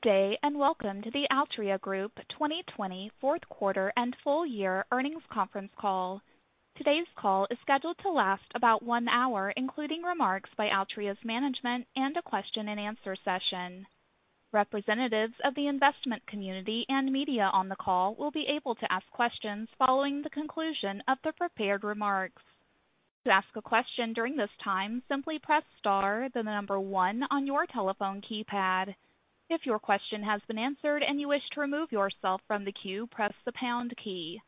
Good day, and welcome to the Altria Group 2020 fourth quarter and full year earnings conference call. Today's call is scheduled to last about one hour, including remarks by Altria's management and a question and answer session. Representatives of the investment community and media on the call will be able to ask questions following the conclusion of the prepared remarks. To ask a question during this time, simply press star, then the number one on your telephone keypad. If your question has been answered and you wish to remove yourself from the queue, press the pound key.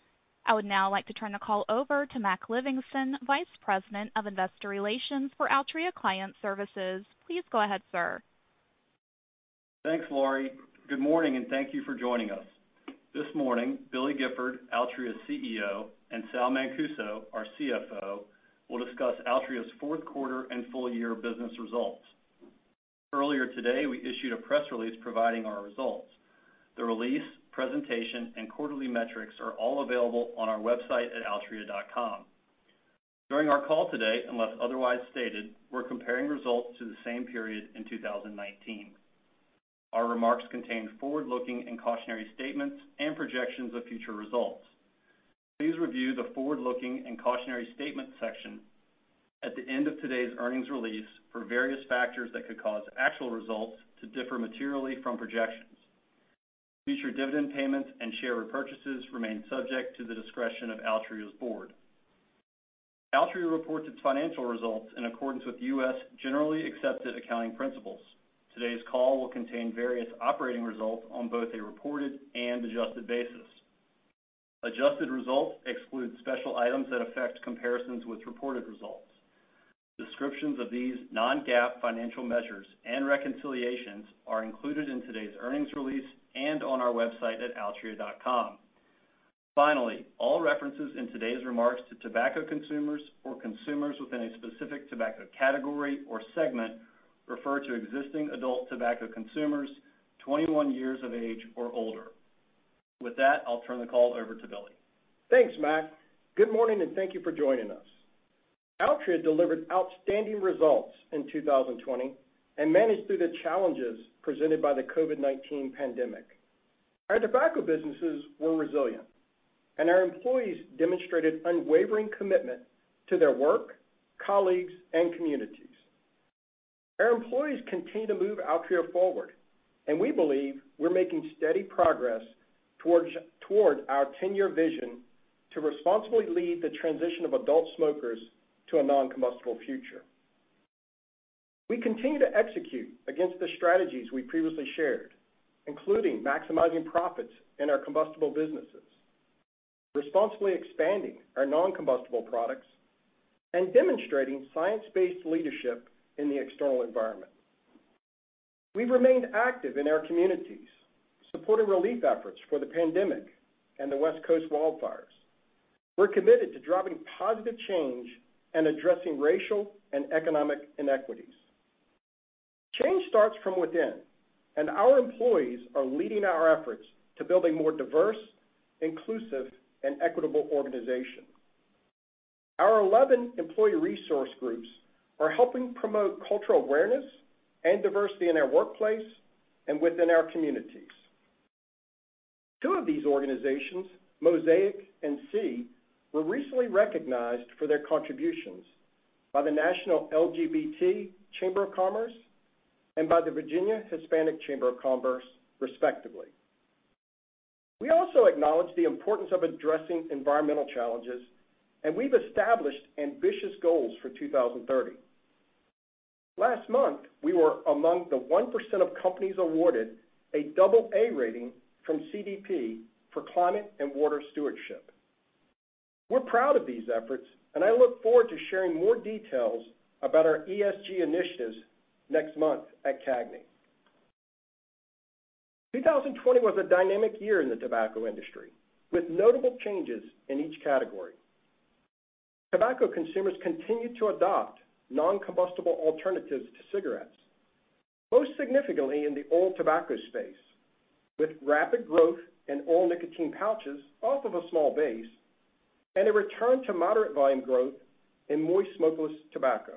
I would now like to turn the call over to Mac Livingston, Vice President of Investor Relations for Altria Client Services. Please go ahead, sir. Thanks, Laurie. Good morning, and thank you for joining us. This morning, Billy Gifford, Altria's CEO, and Sal Mancuso, our CFO, will discuss Altria's fourth quarter and full year business results. Earlier today, we issued a press release providing our results. The release, presentation, and quarterly metrics are all available on our website at altria.com. During our call today, unless otherwise stated, we're comparing results to the same period in 2019. Our remarks contain forward-looking and cautionary statements and projections of future results. Please review the forward-looking and cautionary statements section at the end of today's earnings release for various factors that could cause actual results to differ materially from projections. Future dividend payments and share repurchases remain subject to the discretion of Altria's board. Altria reports its financial results in accordance with U.S. generally accepted accounting principles. Today's call will contain various operating results on both a reported and adjusted basis. Adjusted results exclude special items that affect comparisons with reported results. Descriptions of these non-GAAP financial measures and reconciliations are included in today's earnings release and on our website at altria.com. Finally, all references in today's remarks to tobacco consumers or consumers within a specific tobacco category or segment refer to existing adult tobacco consumers 21 years of age or older. With that, I'll turn the call over to Billy. Thanks, Mac. Good morning, thank you for joining us. Altria delivered outstanding results in 2020 and managed through the challenges presented by the COVID-19 pandemic. Our tobacco businesses were resilient, and our employees demonstrated unwavering commitment to their work, colleagues, and communities. Our employees continue to move Altria forward, and we believe we're making steady progress towards our 10-year vision to responsibly lead the transition of adult smokers to a non-combustible future. We continue to execute against the strategies we previously shared, including maximizing profits in our combustible businesses, responsibly expanding our non-combustible products, and demonstrating science-based leadership in the external environment. We've remained active in our communities, supporting relief efforts for the pandemic and the West Coast wildfires. We're committed to driving positive change and addressing racial and economic inequities. Change starts from within, and our employees are leading our efforts to build a more diverse, inclusive, and equitable organization. Our 11 employee resource groups are helping promote cultural awareness and diversity in our workplace and within our communities. Two of these organizations, Mosaic and SEED, were recently recognized for their contributions by the National LGBT Chamber of Commerce and by the Virginia Hispanic Chamber of Commerce, respectively. We also acknowledge the importance of addressing environmental challenges, and we've established ambitious goals for 2030. Last month, we were among the 1% of companies awarded a double A rating from CDP for climate and water stewardship. We're proud of these efforts, and I look forward to sharing more details about our ESG initiatives next month at CAGNY. 2020 was a dynamic year in the tobacco industry, with notable changes in each category. Tobacco consumers continued to adopt non-combustible alternatives to cigarettes, most significantly in the oral tobacco space, with rapid growth in oral nicotine pouches off of a small base and a return to moderate volume growth in moist smokeless tobacco.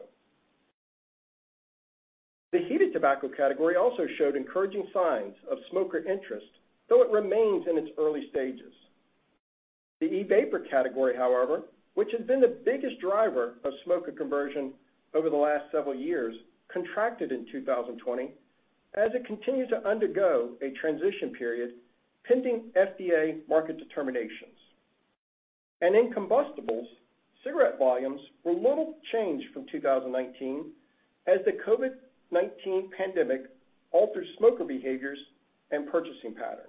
The heated tobacco category also showed encouraging signs of smoker interest, though it remains in its early stages. The e-vapor category, however, which has been the biggest driver of smoker conversion over the last several years, contracted in 2020 as it continued to undergo a transition period pending FDA market determinations. In combustibles, cigarette volumes were little changed from 2019 as the COVID-19 pandemic altered smoker behaviors and purchasing patterns.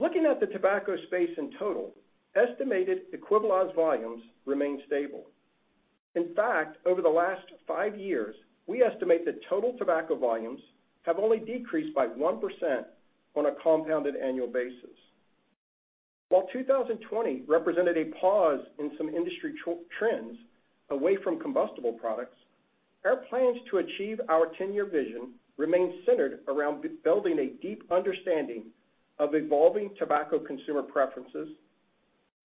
Looking at the tobacco space in total, estimated equivalent volumes remain stable. In fact, over the last five years, we estimate that total tobacco volumes have only decreased by 1% ona compounded annual basis. While 2020 represented a pause in some industry trends away from combustible products, our plans to achieve our 10-year vision remain centered around building a deep understanding of evolving tobacco consumer preferences.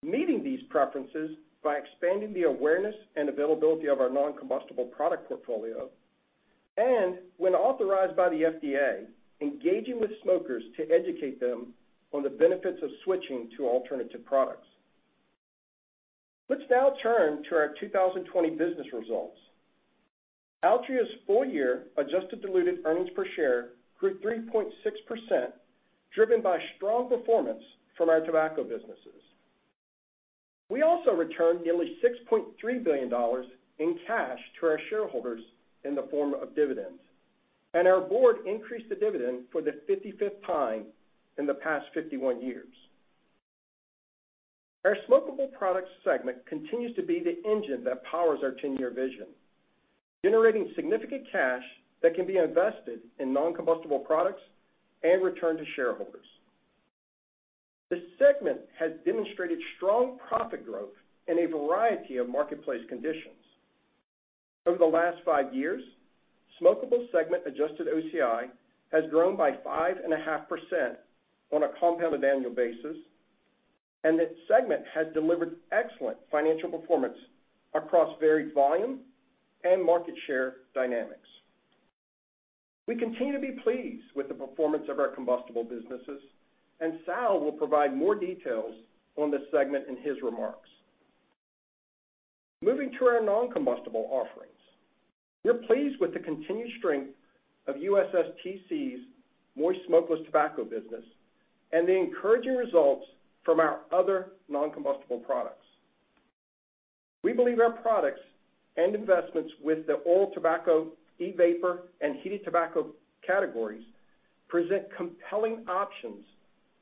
Meeting these preferences by expanding the awareness and availability of our non-combustible product portfolio, and when authorized by the FDA, engaging with smokers to educate them on the benefits of switching to alternative products. Let's now turn to our 2020 business results. Altria's full year adjusted diluted earnings per share grew 3.6%, driven by strong performance from our tobacco businesses. We also returned nearly $6.3 billion in cash to our shareholders in the form of dividends, and our board increased the dividend for the 55th time in the past 51 years. Our smokable products segment continues to be the engine that powers our 10-year vision, generating significant cash that can be invested in non-combustible products and returned to shareholders. This segment has demonstrated strong profit growth in a variety of marketplace conditions. Over the last five years, smokable segment adjusted OCI has grown by 5.5% on a compounded annual basis, and this segment has delivered excellent financial performance across varied volume and market share dynamics. We continue to be pleased with the performance of our combustible businesses, and Sal will provide more details on this segment in his remarks. Moving to our non-combustible offerings. We're pleased with the continued strength of USSTC's moist smokeless tobacco business and the encouraging results from our other non-combustible products. We believe our products and investments with the oral tobacco, e-vapor, and heated tobacco categories present compelling options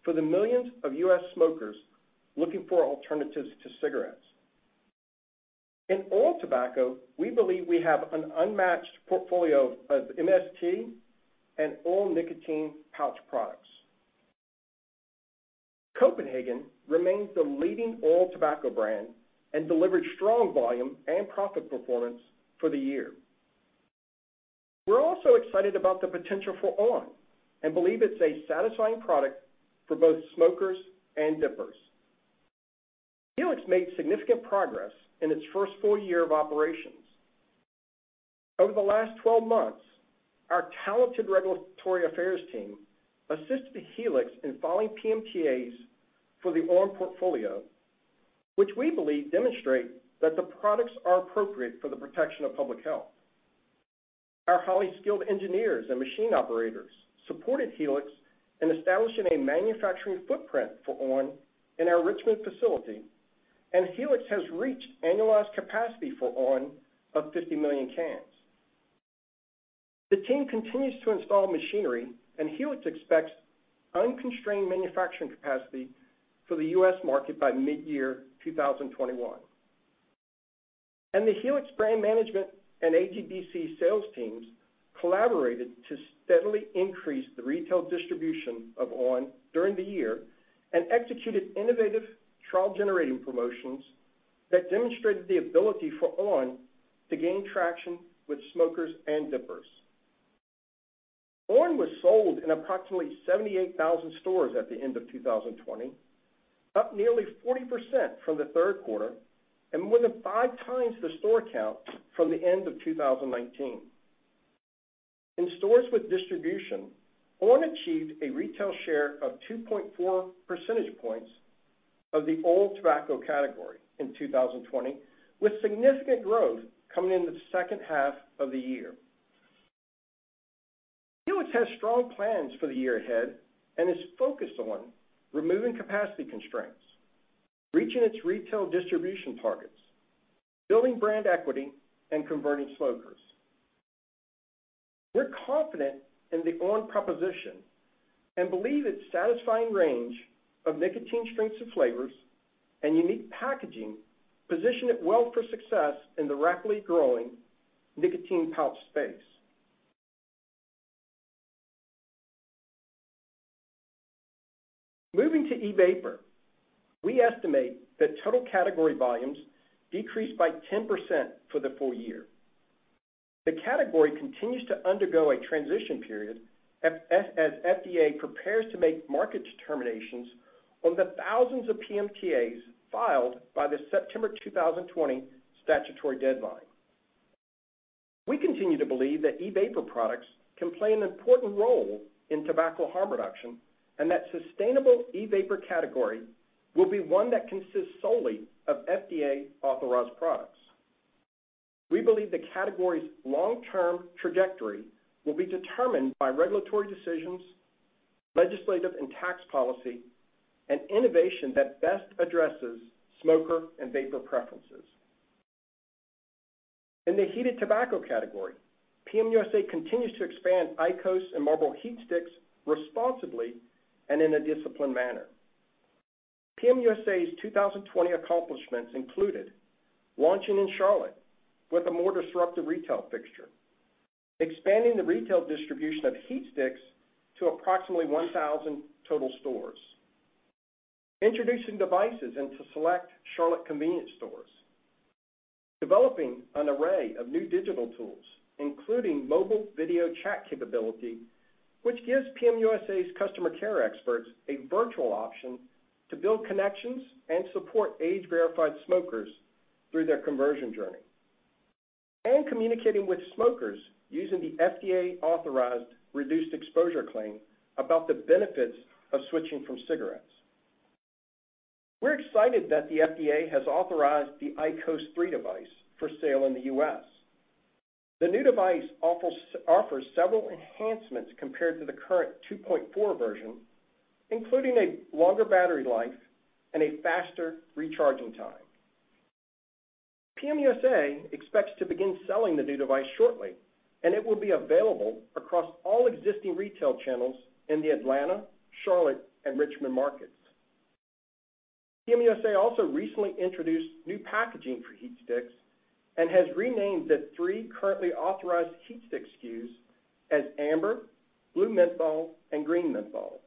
for the millions of U.S. smokers looking for alternatives to cigarettes. In oral tobacco, we believe we have an unmatched portfolio of MST and oral nicotine pouch products. Copenhagen remains the leading oral tobacco brand and delivered strong volume and profit performance for the year. We're also excited about the potential for on and believe it's a satisfying product for both smokers and dippers. Helix made significant progress in its first full year of operations. Over the last 12 months, our talented regulatory affairs team assisted Helix in filing PMTAs for the on portfolio, which we believe demonstrate that the products are appropriate for the protection of public health. Our highly skilled engineers and machine operators supported Helix in establishing a manufacturing footprint for on in our Richmond facility. Helix has reached annualized capacity for on of 50 million cans. The team continues to install machinery. Helix expects unconstrained manufacturing capacity for the U.S. market by mid-year 2021. The Helix brand management and AGDC sales teams collaborated to steadily increase the retail distribution of on during the year and executed innovative trial-generating promotions that demonstrated the ability for on to gain traction with smokers and dippers. on was sold in approximately 78,000 stores at the end of 2020, up nearly 40% from the third quarter, and more than five times the store count from the end of 2019. In stores with distribution, on achieved a retail share of 2.4 percentage points of the oral tobacco category in 2020, with significant growth coming in the second half of the year. Helix has strong plans for the year ahead and is focused on removing capacity constraints, reaching its retail distribution targets, building brand equity, and converting smokers. We're confident in the on proposition and believe its satisfying range of nicotine strengths and flavors and unique packaging position it well for success in the rapidly growing nicotine pouch space. Moving to e-vapor, we estimate that total category volumes decreased by 10% for the full year. The category continues to undergo a transition period as FDA prepares to make market determinations on the thousands of PMTAs filed by the September 2020 statutory deadline. We continue to believe that e-vapor products can play an important role in tobacco harm reduction and that sustainable e-vapor category will be one that consists solely of FDA-authorized products. We believe the category's long-term trajectory will be determined by regulatory decisions, legislative and tax policy, and innovation that best addresses smoker and vapor preferences. In the heated tobacco category, PM USA continues to expand IQOS and Marlboro HeatSticks responsibly and in a disciplined manner. PM USA's 2020 accomplishments included launching in Charlotte with a more disruptive retail fixture, expanding the retail distribution of HeatSticks to approximately 1,000 total stores, introducing devices into select Charlotte convenience stores. Developing an array of new digital tools, including mobile video chat capability, which gives PM USA's customer care experts a virtual option to build connections and support age-verified smokers through their conversion journey. Communicating with smokers using the FDA-authorized reduced exposure claim about the benefits of switching from cigarettes. We're excited that the FDA has authorized the IQOS 3 device for sale in the U.S. The new device offers several enhancements compared to the current 2.4 version, including a longer battery life and a faster recharging time. PM USA expects to begin selling the new device shortly, and it will be available across all existing retail channels in the Atlanta, Charlotte, and Richmond markets. PM USA also recently introduced new packaging for HeatSticks and has renamed the three currently authorized HeatSticks SKUs as Amber, Blue Menthol, and Green Menthol.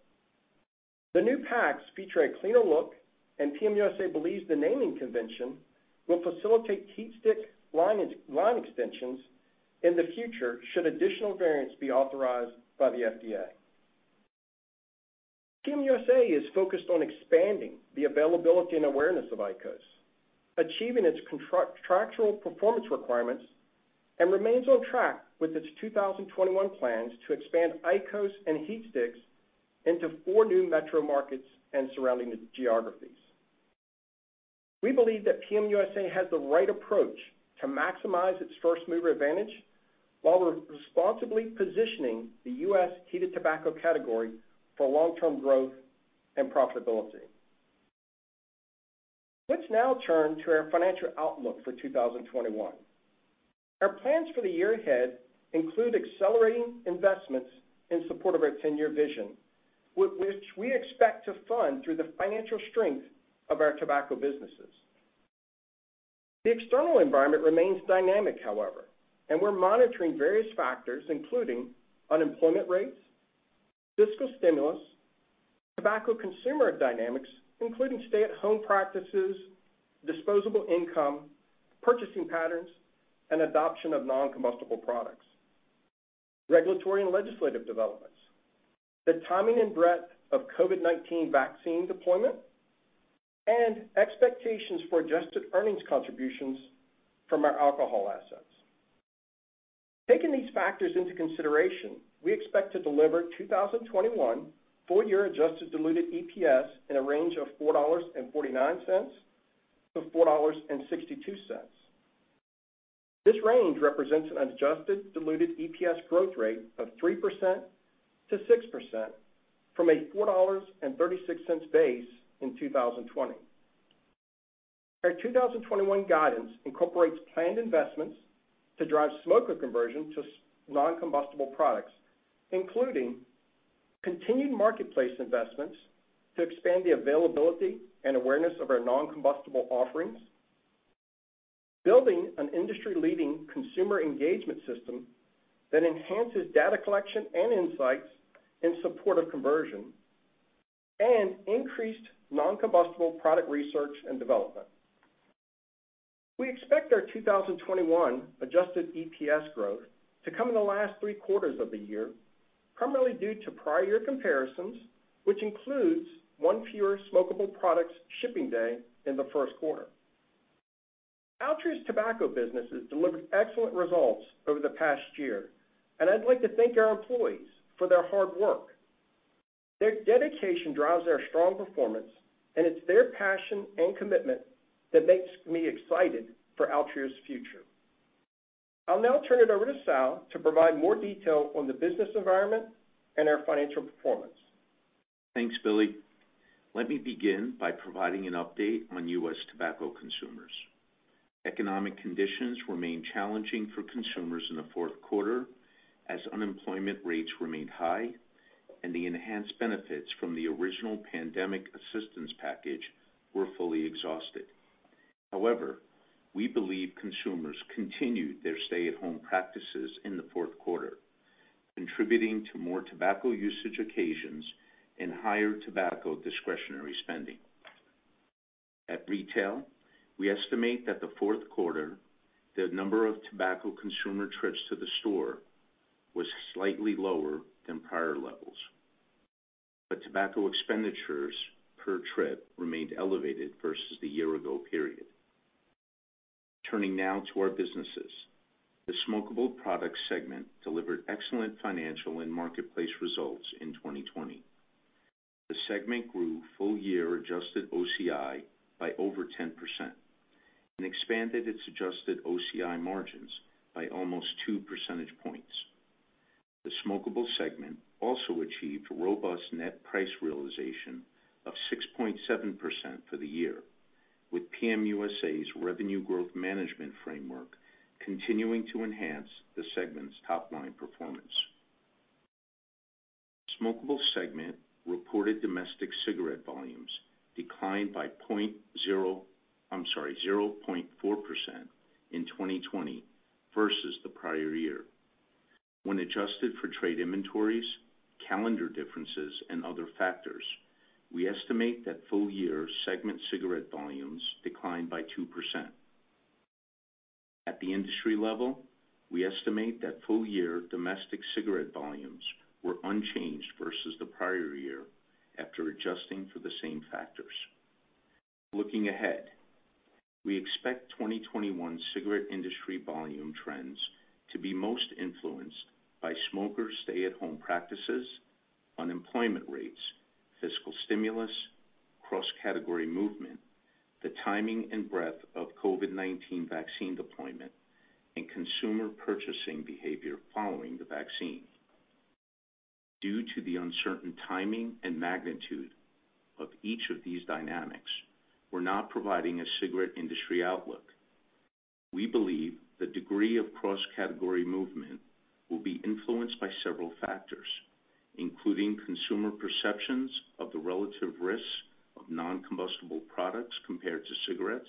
The new packs feature a cleaner look, and PM USA believes the naming convention will facilitate HeatSticks line extensions in the future, should additional variants be authorized by the FDA. PM USA is focused on expanding the availability and awareness of IQOS, achieving its contractual performance requirements, and remains on track with its 2021 plans to expand IQOS and HeatSticks into four new metro markets and surrounding geographies. We believe that PM USA has the right approach to maximize its first-mover advantage, while responsibly positioning the U.S. heated tobacco category for long-term growth and profitability. Let's now turn to our financial outlook for 2021. Our plans for the year ahead include accelerating investments in support of our 10-year vision, which we expect to fund through the financial strength of our tobacco businesses. The external environment remains dynamic, however, and we're monitoring various factors including unemployment rates; fiscal stimulus; tobacco consumer dynamics, including stay-at-home practices, disposable income, purchasing patterns, and adoption of non-combustible products; regulatory and legislative developments; the timing and breadth of COVID-19 vaccine deployment; and expectations for adjusted earnings contributions from our alcohol assets. Taking these factors into consideration, we expect to deliver 2021 full-year adjusted diluted EPS in a range of $4.49 to $4.62. This range represents an adjusted diluted EPS growth rate of 3% to 6% from a $4.36 base in 2020. Our 2021 guidance incorporates planned investments to drive smoker conversion to non-combustible products, including continued marketplace investments to expand the availability and awareness of our non-combustible offerings, building an industry-leading consumer engagement system that enhances data collection and insights in support of conversion, and increased non-combustible product research and development. We expect our 2021 adjusted EPS growth to come in the last three quarters of the year, primarily due to prior year comparisons, which includes one fewer smokable products shipping day in the first quarter. Altria's tobacco businesses delivered excellent results over the past year, and I'd like to thank our employees for their hard work. Their dedication drives our strong performance, and it's their passion and commitment that makes me excited for Altria's future. I'll now turn it over to Sal to provide more detail on the business environment and our financial performance. Thanks, Billy. Let me begin by providing an update on U.S. tobacco consumers. Economic conditions remained challenging for consumers in the fourth quarter as unemployment rates remained high and the enhanced benefits from the original pandemic assistance package were fully exhausted. We believe consumers continued their stay-at-home practices in the fourth quarter, contributing to more tobacco usage occasions and higher tobacco discretionary spending. At retail, we estimate that the fourth quarter, the number of tobacco consumer trips to the store was slightly lower than prior levels. Tobacco expenditures per trip remained elevated versus the year ago period. Turning now to our businesses. The Smokable Products segment delivered excellent financial and marketplace results in 2020. The segment grew full-year adjusted OCI by over 10% and expanded its adjusted OCI margins by almost two percentage points. The smokable segment also achieved robust net price realization of 6.7% for the year, with PM USA's revenue growth management framework continuing to enhance the segment's top-line performance. Smokable segment reported domestic cigarette volumes declined by 0.4% in 2020 versus the prior year. When adjusted for trade inventories, calendar differences, and other factors, we estimate that full year segment cigarette volumes declined by 2%. At the industry level, we estimate that full year domestic cigarette volumes were unchanged versus the prior year after adjusting for the same factors. Looking ahead, we expect 2021 cigarette industry volume trends to be most influenced by smokers' stay-at-home practices, unemployment rates, fiscal stimulus, cross-category movement, the timing and breadth of COVID-19 vaccine deployment, and consumer purchasing behavior following the vaccine. Due to the uncertain timing and magnitude of each of these dynamics, we're not providing a cigarette industry outlook. We believe the degree of cross-category movement will be influenced by several factors, including consumer perceptions of the relative risks of non-combustible products compared to cigarettes,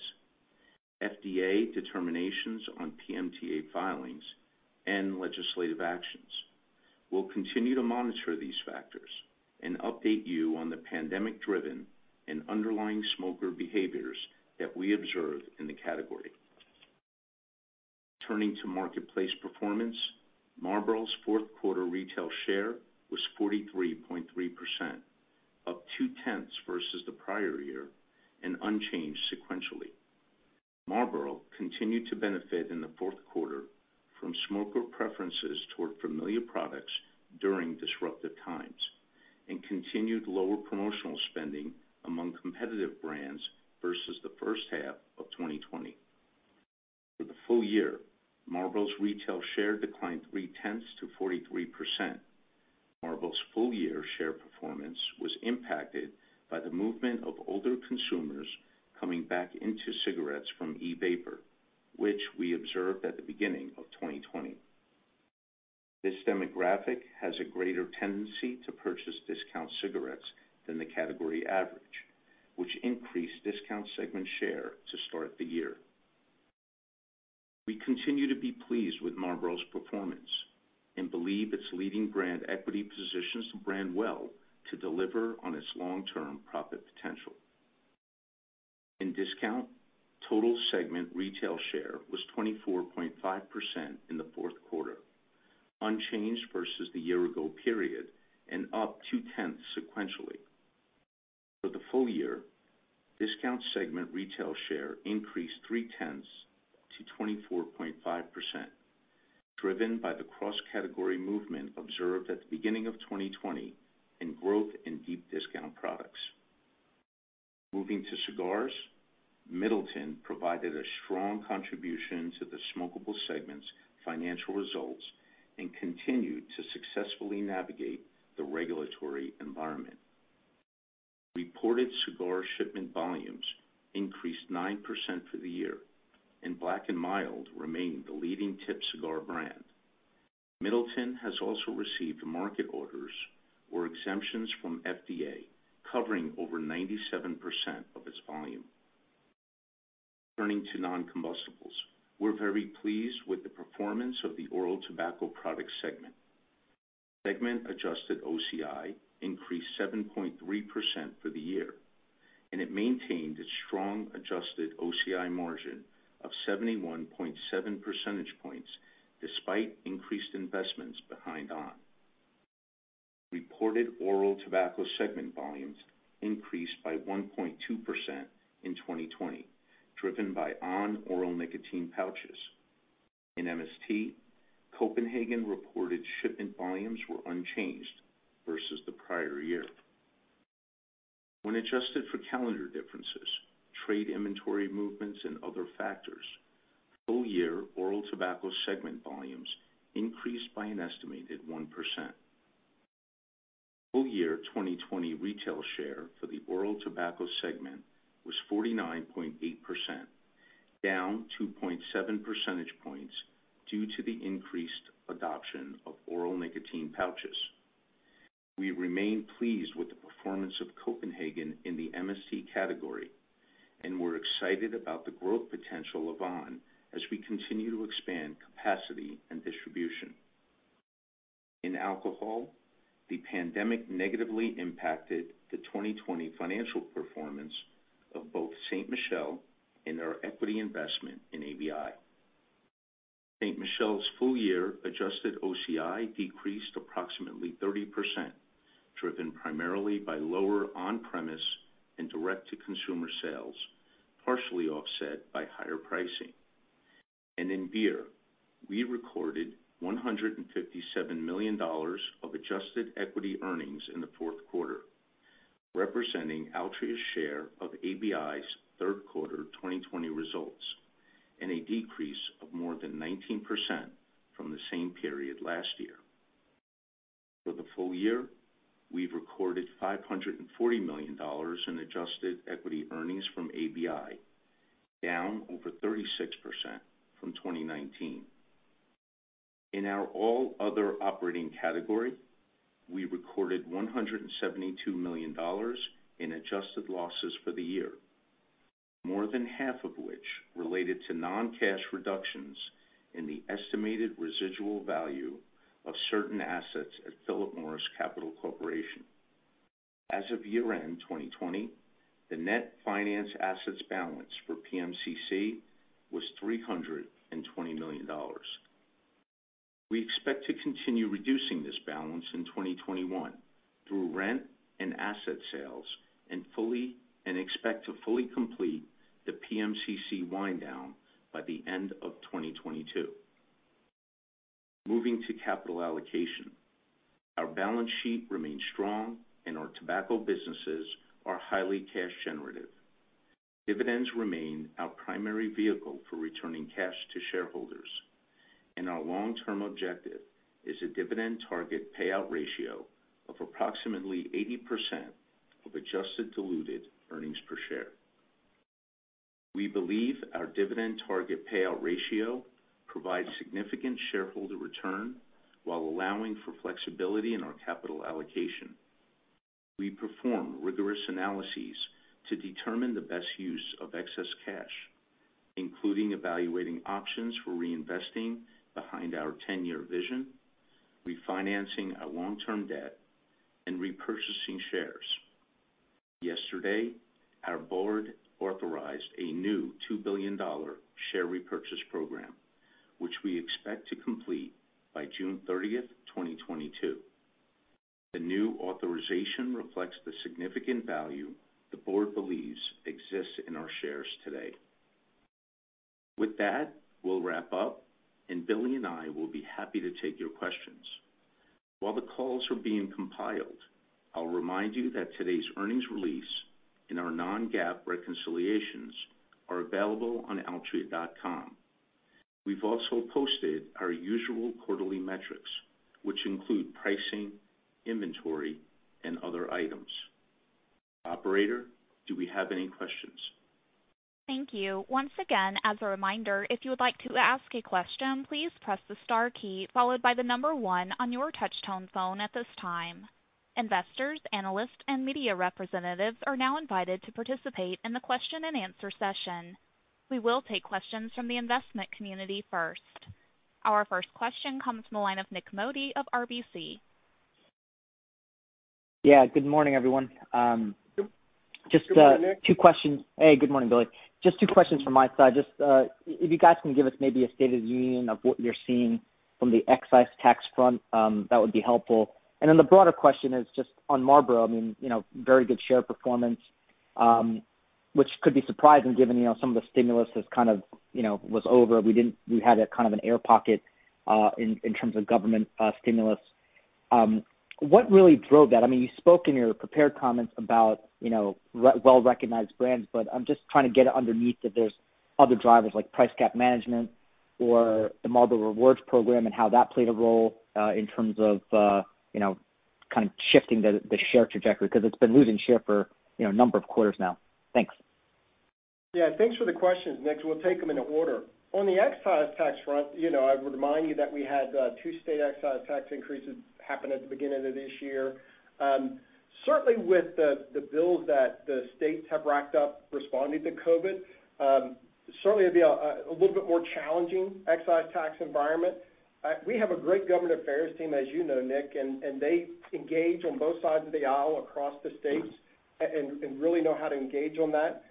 FDA determinations on PMTA filings, and legislative actions. We'll continue to monitor these factors and update you on the pandemic driven and underlying smoker behaviors that we observe in the category. Turning to marketplace performance, Marlboro's fourth quarter retail share was 43.3%, up 0.2% versus the prior year and unchanged sequentially. Marlboro continued to benefit in the fourth quarter from smoker preferences toward familiar products during disruptive times, and continued lower promotional spending among competitive brands versus the first half of 2020. For the full year, Marlboro's retail share declined 0.3% to 43%. Marlboro's full year share performance was impacted by the movement of older consumers coming back into cigarettes from e-vapor, which we observed at the beginning of 2020. This demographic has a greater tendency to purchase discount cigarettes than the category average, which increased discount segment share to start the year. We continue to be pleased with Marlboro's performance and believe its leading brand equity positions the brand well to deliver on its long-term profit potential. In discount, total segment retail share was 24.5% in the fourth quarter, unchanged versus the year ago period, and up 2/10 sequentially. For the full year, discount segment retail share increased 3/10 to 24.5%, driven by the cross-category movement observed at the beginning of 2020 in growth in deep discount products. Moving to cigars, Middleton provided a strong contribution to the smokable segment's financial results and continued to successfully navigate the regulatory environment. Reported cigar shipment volumes increased 9% for the year, and Black & Mild remained the leading tipped cigar brand. Middleton has also received market orders or exemptions from FDA covering over 97% of its volume. Turning to non-combustibles. We're very pleased with the performance of the oral tobacco product segment. Segment adjusted OCI increased 7.3% for the year, and it maintained its strong adjusted OCI margin of 71.7 percentage points, despite increased investments behind on. Reported oral tobacco segment volumes increased by 1.2% in 2020, driven by on oral nicotine pouches. In MST, Copenhagen reported shipment volumes were unchanged versus the prior year. When adjusted for calendar differences, trade inventory movements, and other factors, full year oral tobacco segment volumes increased by an estimated 1%. Full year 2020 retail share for the oral tobacco segment was 49.8%, down 2.7 percentage points due to the increased adoption of oral nicotine pouches. We remain pleased with the performance of Copenhagen in the MST category. We're excited about the growth potential of on as we continue to expand capacity and distribution. In alcohol, the pandemic negatively impacted the 2020 financial performance of both Ste. Michelle and our equity investment in ABI. Ste. Michelle's full year adjusted OCI decreased approximately 30%, driven primarily by lower on-premise and direct-to-consumer sales, partially offset by higher pricing. In beer, we recorded $157 million of adjusted equity earnings in the fourth quarter, representing Altria's share of ABI's third quarter 2020 results, and a decrease of more than 19% from the same period last year. For the full year, we've recorded $540 million in adjusted equity earnings from ABI, down over 36% from 2019. In our all other operating category, we recorded $172 million in adjusted losses for the year. More than half of which related to non-cash reductions in the estimated residual value of certain assets at Philip Morris Capital Corporation. As of year-end 2020, the net finance assets balance for PMCC was $320 million. We expect to continue reducing this balance in 2021 through rent and asset sales, and expect to fully complete the PMCC wind down by the end of 2022. Moving to capital allocation. Our balance sheet remains strong and our tobacco businesses are highly cash generative. Dividends remain our primary vehicle for returning cash to shareholders, and our long-term objective is a dividend target payout ratio of approximately 80% of adjusted diluted earnings per share. We believe our dividend target payout ratio provides significant shareholder return while allowing for flexibility in our capital allocation. We perform rigorous analyses to determine the best use of excess cash, including evaluating options for reinvesting behind our 10-year vision, refinancing our long-term debt, and repurchasing shares. Yesterday, our board authorized a new $2 billion share repurchase program, which we expect to complete by June 30th, 2022. The new authorization reflects the significant value the board believes exists in our shares today. With that, we'll wrap up, and Billy and I will be happy to take your questions. While the calls are being compiled, I'll remind you that today's earnings release and our non-GAAP reconciliations are available on altria.com. We've also posted our usual quarterly metrics, which include pricing, inventory, and other items. Operator, do we have any questions? Thank you. Once again as a reminder if you would like to ask a question, please press star key followed by the number one on your touchtone phone at this time investors, analysts, and media representatives are now invited to participate in the question and answer session. We will take questions from the investment community first. Our first question comes from the line of Nik Modi of RBC. Yeah. Good morning, everyone. Good morning, Nik. Just two questions. Hey, good morning, Billy. Just two questions from my side. Just if you guys can give us maybe a state of the union of what you're seeing from the excise tax front, that would be helpful. The broader question is just on Marlboro, very good share performance, which could be surprising given some of the stimulus was over. We had an air pocket in terms of government stimulus. What really drove that? You spoke in your prepared comments about well-recognized brands, but I'm just trying to get underneath if there's other drivers like price cap management or the Marlboro Rewards Program and how that played a role in terms of shifting the share trajectory, because it's been losing share for a number of quarters now. Thanks. Yeah. Thanks for the questions, Nik. We'll take them in order. On the excise tax front, I would remind you that we had two state excise tax increases happen at the beginning of this year. Certainly, with the bills that the states have racked up responding to COVID, certainly it'll be a little bit more challenging excise tax environment. We have a great government affairs team, as you know, Nik, and they engage on both sides of the aisle across the states and really know how to engage on that.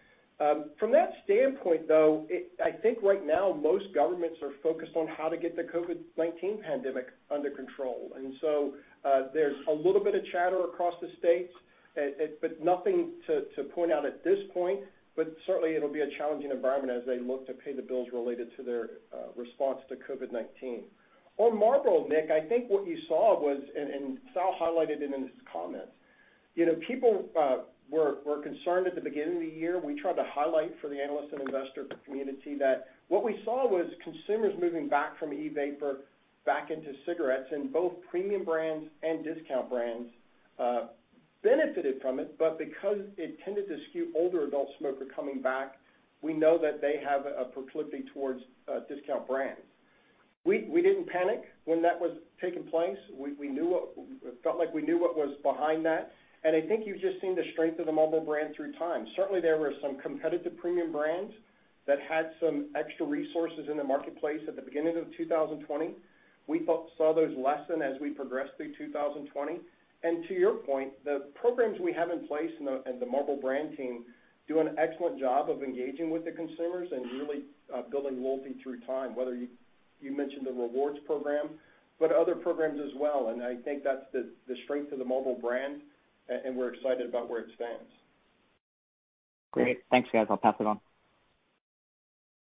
From that standpoint, though, I think right now, most governments are focused on how to get the COVID-19 pandemic under control. There's a little bit of chatter across the states, but nothing to point out at this point. Certainly, it'll be a challenging environment as they look to pay the bills related to their response to COVID-19. On Marlboro, Nik, I think what you saw was, and Sal highlighted it in his comments, people were concerned at the beginning of the year. We tried to highlight for the analysts and investor community that what we saw was consumers moving back from e-vapor back into cigarettes, and both premium brands and discount brands benefited from it. Because it tended to skew older adult smoker coming back, we know that they have a proclivity towards discount brands. We didn't panic when that was taking place. We felt like we knew what was behind that, and I think you've just seen the strength of the Marlboro brand through time. Certainly, there were some competitive premium brands that had some extra resources in the marketplace at the beginning of 2020. We saw those lessen as we progressed through 2020. To your point, the programs we have in place and the Marlboro brand team do an excellent job of engaging with the consumers and really building loyalty through time, whether you mentioned the rewards program, but other programs as well. I think that's the strength of the Marlboro brand, and we're excited about where it stands. Great. Thanks, guys. I'll pass it on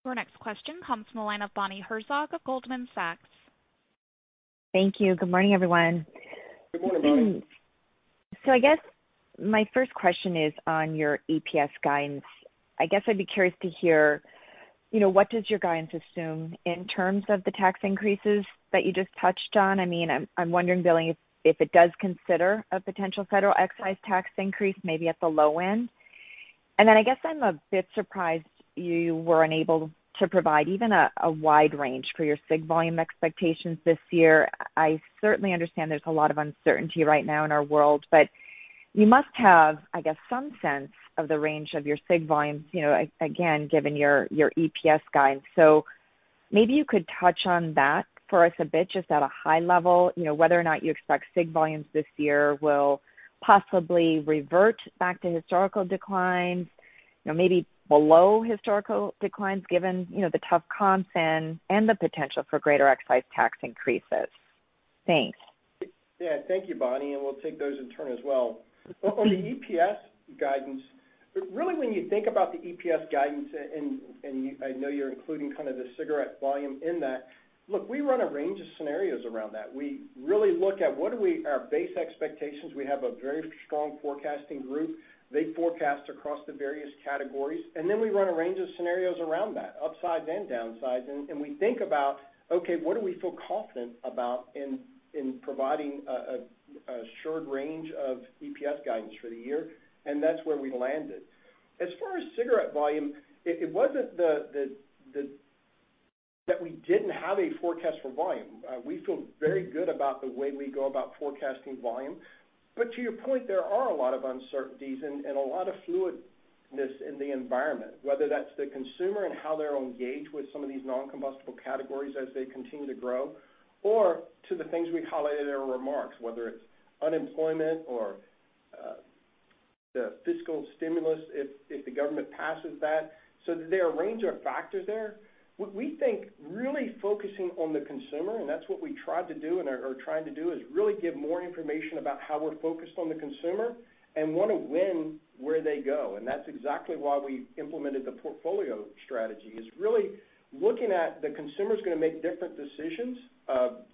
Our next question comes from the line of Bonnie Herzog of Goldman Sachs. Thank you. Good morning, everyone. Good morning, Bonnie. I guess my first question is on your EPS guidance. I guess I'd be curious to hear what does your guidance assume in terms of the tax increases that you just touched on? I'm wondering, Billy, if it does consider a potential federal excise tax increase, maybe at the low end. I guess I'm a bit surprised you were unable to provide even a wide range for your cig volume expectations this year. I certainly understand there's a lot of uncertainty right now in our world, but you must have, I guess, some sense of the range of your cig volumes, again, given your EPS guidance. Maybe you could touch on. that for us a bit, just at a high level, whether or not you expect cig volumes this year will possibly revert back to historical declines, maybe below historical declines, given the tough comps and the potential for greater excise tax increases. Thanks. Yeah. Thank you, Bonnie. We'll take those in turn as well. On the EPS guidance, really, when you think about the EPS guidance. I know you're including kind of the cigarette volume in that. Look, we run a range of scenarios around that. We really look at what are our base expectations. We have a very strong forecasting group. They forecast across the various categories. We run a range of scenarios around that, upside and downside. We think about, okay, what do we feel confident about in providing a assured range of EPS guidance for the year? That's where we landed. As far as cigarette volume, it wasn't that we didn't have a forecast for volume. We feel very good about the way we go about forecasting volume. To your point, there are a lot of uncertainties and a lot of fluidness in the environment, whether that's the consumer and how they'll engage with some of these non-combustible categories as they continue to grow, or to the things we highlighted in our remarks, whether it's unemployment or the fiscal stimulus, if the government passes that. There are a range of factors there. What we think, really focusing on the consumer, and that's what we tried to do and are trying to do, is really give more information about how we're focused on the consumer and want to win where they go. That's exactly why we implemented the portfolio strategy, is really looking at the consumer's going to make different decisions,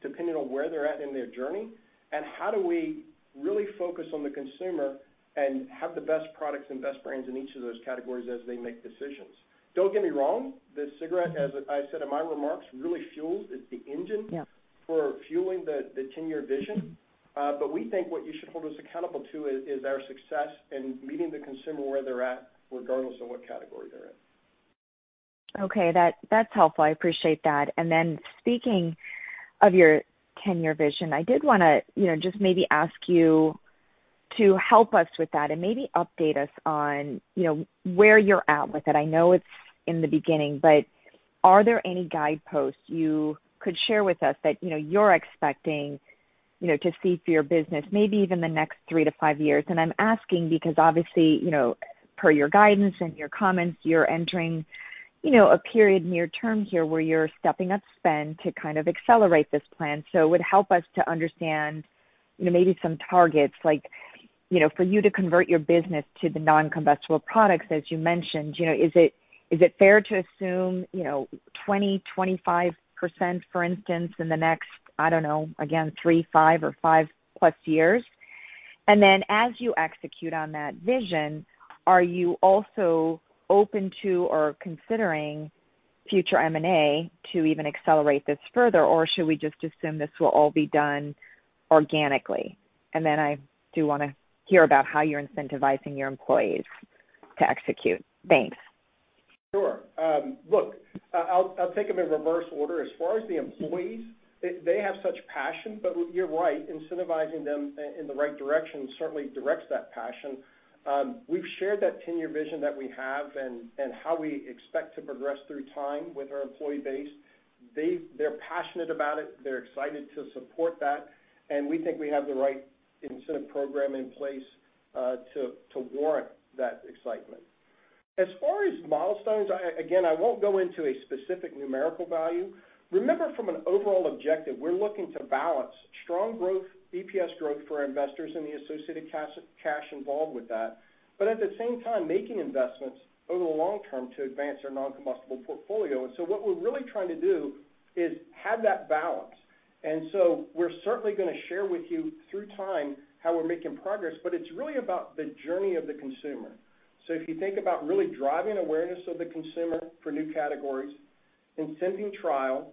depending on where they're at in their journey, and how do we really focus on. the consumer and have the best products and best brands in each of those categories as they make decisions. Don't get me wrong, the cigarette, as I said in my remarks, really fuels, it's the engine. Yeah for fueling the 10-year vision. We think what you should hold us accountable to is our success in meeting the consumer where they're at, regardless of what category they're in. Okay. That's helpful. I appreciate that. Speaking of your 10-year vision, I did want to just maybe ask you to help us with that and maybe update us on where you're at with it. I know it's in the beginning, are there any guideposts you could share with us that you're expecting to see for your business, maybe even the next three to five years? I'm asking because obviously, per your guidance and your comments, you're entering a period near term here where you're stepping up spend to kind of accelerate this plan. It would help us to understand maybe some targets, like for you to convert your business to the non-combustible products, as you mentioned. Is it fair to assume 20%, 25%, for instance, in the next, I don't know, again, three, five or five plus years? As you execute on that vision, are you also open to or considering future M&A to even accelerate this further? Should we just assume this will all be done organically? I do want to hear about how you're incentivizing your employees to execute. Thanks. Sure. Look, I'll take them in reverse order. As far as the employees, they have such passion, but you're right, incentivizing them in the right direction certainly directs that passion. We've shared that 10-year vision that we have and how we expect to progress through time with our employee base. They're passionate about it. They're excited to support that, and we think we have the right incentive program in place, to warrant that excitement. As far as milestones, again, I won't go into a specific numerical value. Remember, from an overall objective, we're looking to balance strong growth, EPS growth for our investors and the associated cash involved with that. At the same time, making investments over the long term to advance our non-combustible portfolio. What we're really trying to do is have that balance. We're certainly going to share with you through time how we're making progress, but it's really about the journey of the consumer. If you think about really driving awareness of the consumer for new categories, incenting trial,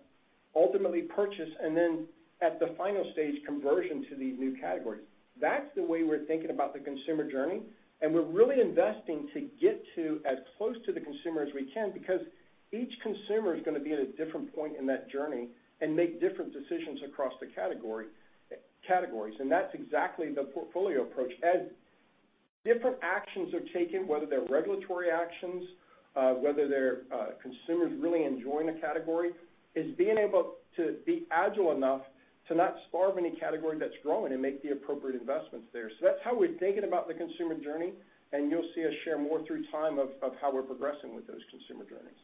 ultimately purchase, and then at the final stage, conversion to these new categories, that's the way we're thinking about the consumer journey, and we're really investing to get to as close to the consumer as we can, because each consumer is going to be at a different point in that journey and make different decisions across the categories. That's exactly the portfolio approach. As different actions are taken, whether they're regulatory actions, whether they're consumers really enjoying a category, is being able to be agile enough to not starve any category that's growing and make the appropriate investments there. That's how we're thinking about the consumer journey, and you'll see us share more through time of how we're progressing with those consumer journeys.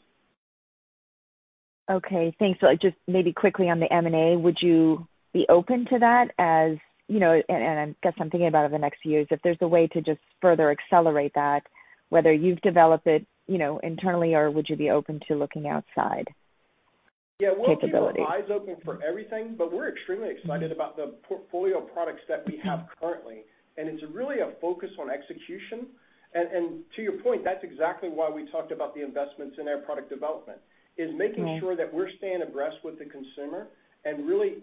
Okay, thanks. Just maybe quickly on the M&A, would you be open to that? As you know, I guess I'm thinking about over the next few years, if there's a way to just further accelerate that, whether you've developed it internally, or would you be open to looking outside capabilities? Yeah, we'll keep our eyes open for everything, but we're extremely excited about the portfolio of products that we have currently, and it's really a focus on execution. To your point, that's exactly why we talked about the investments in our product development, is making sure that we're staying abreast with the consumer and really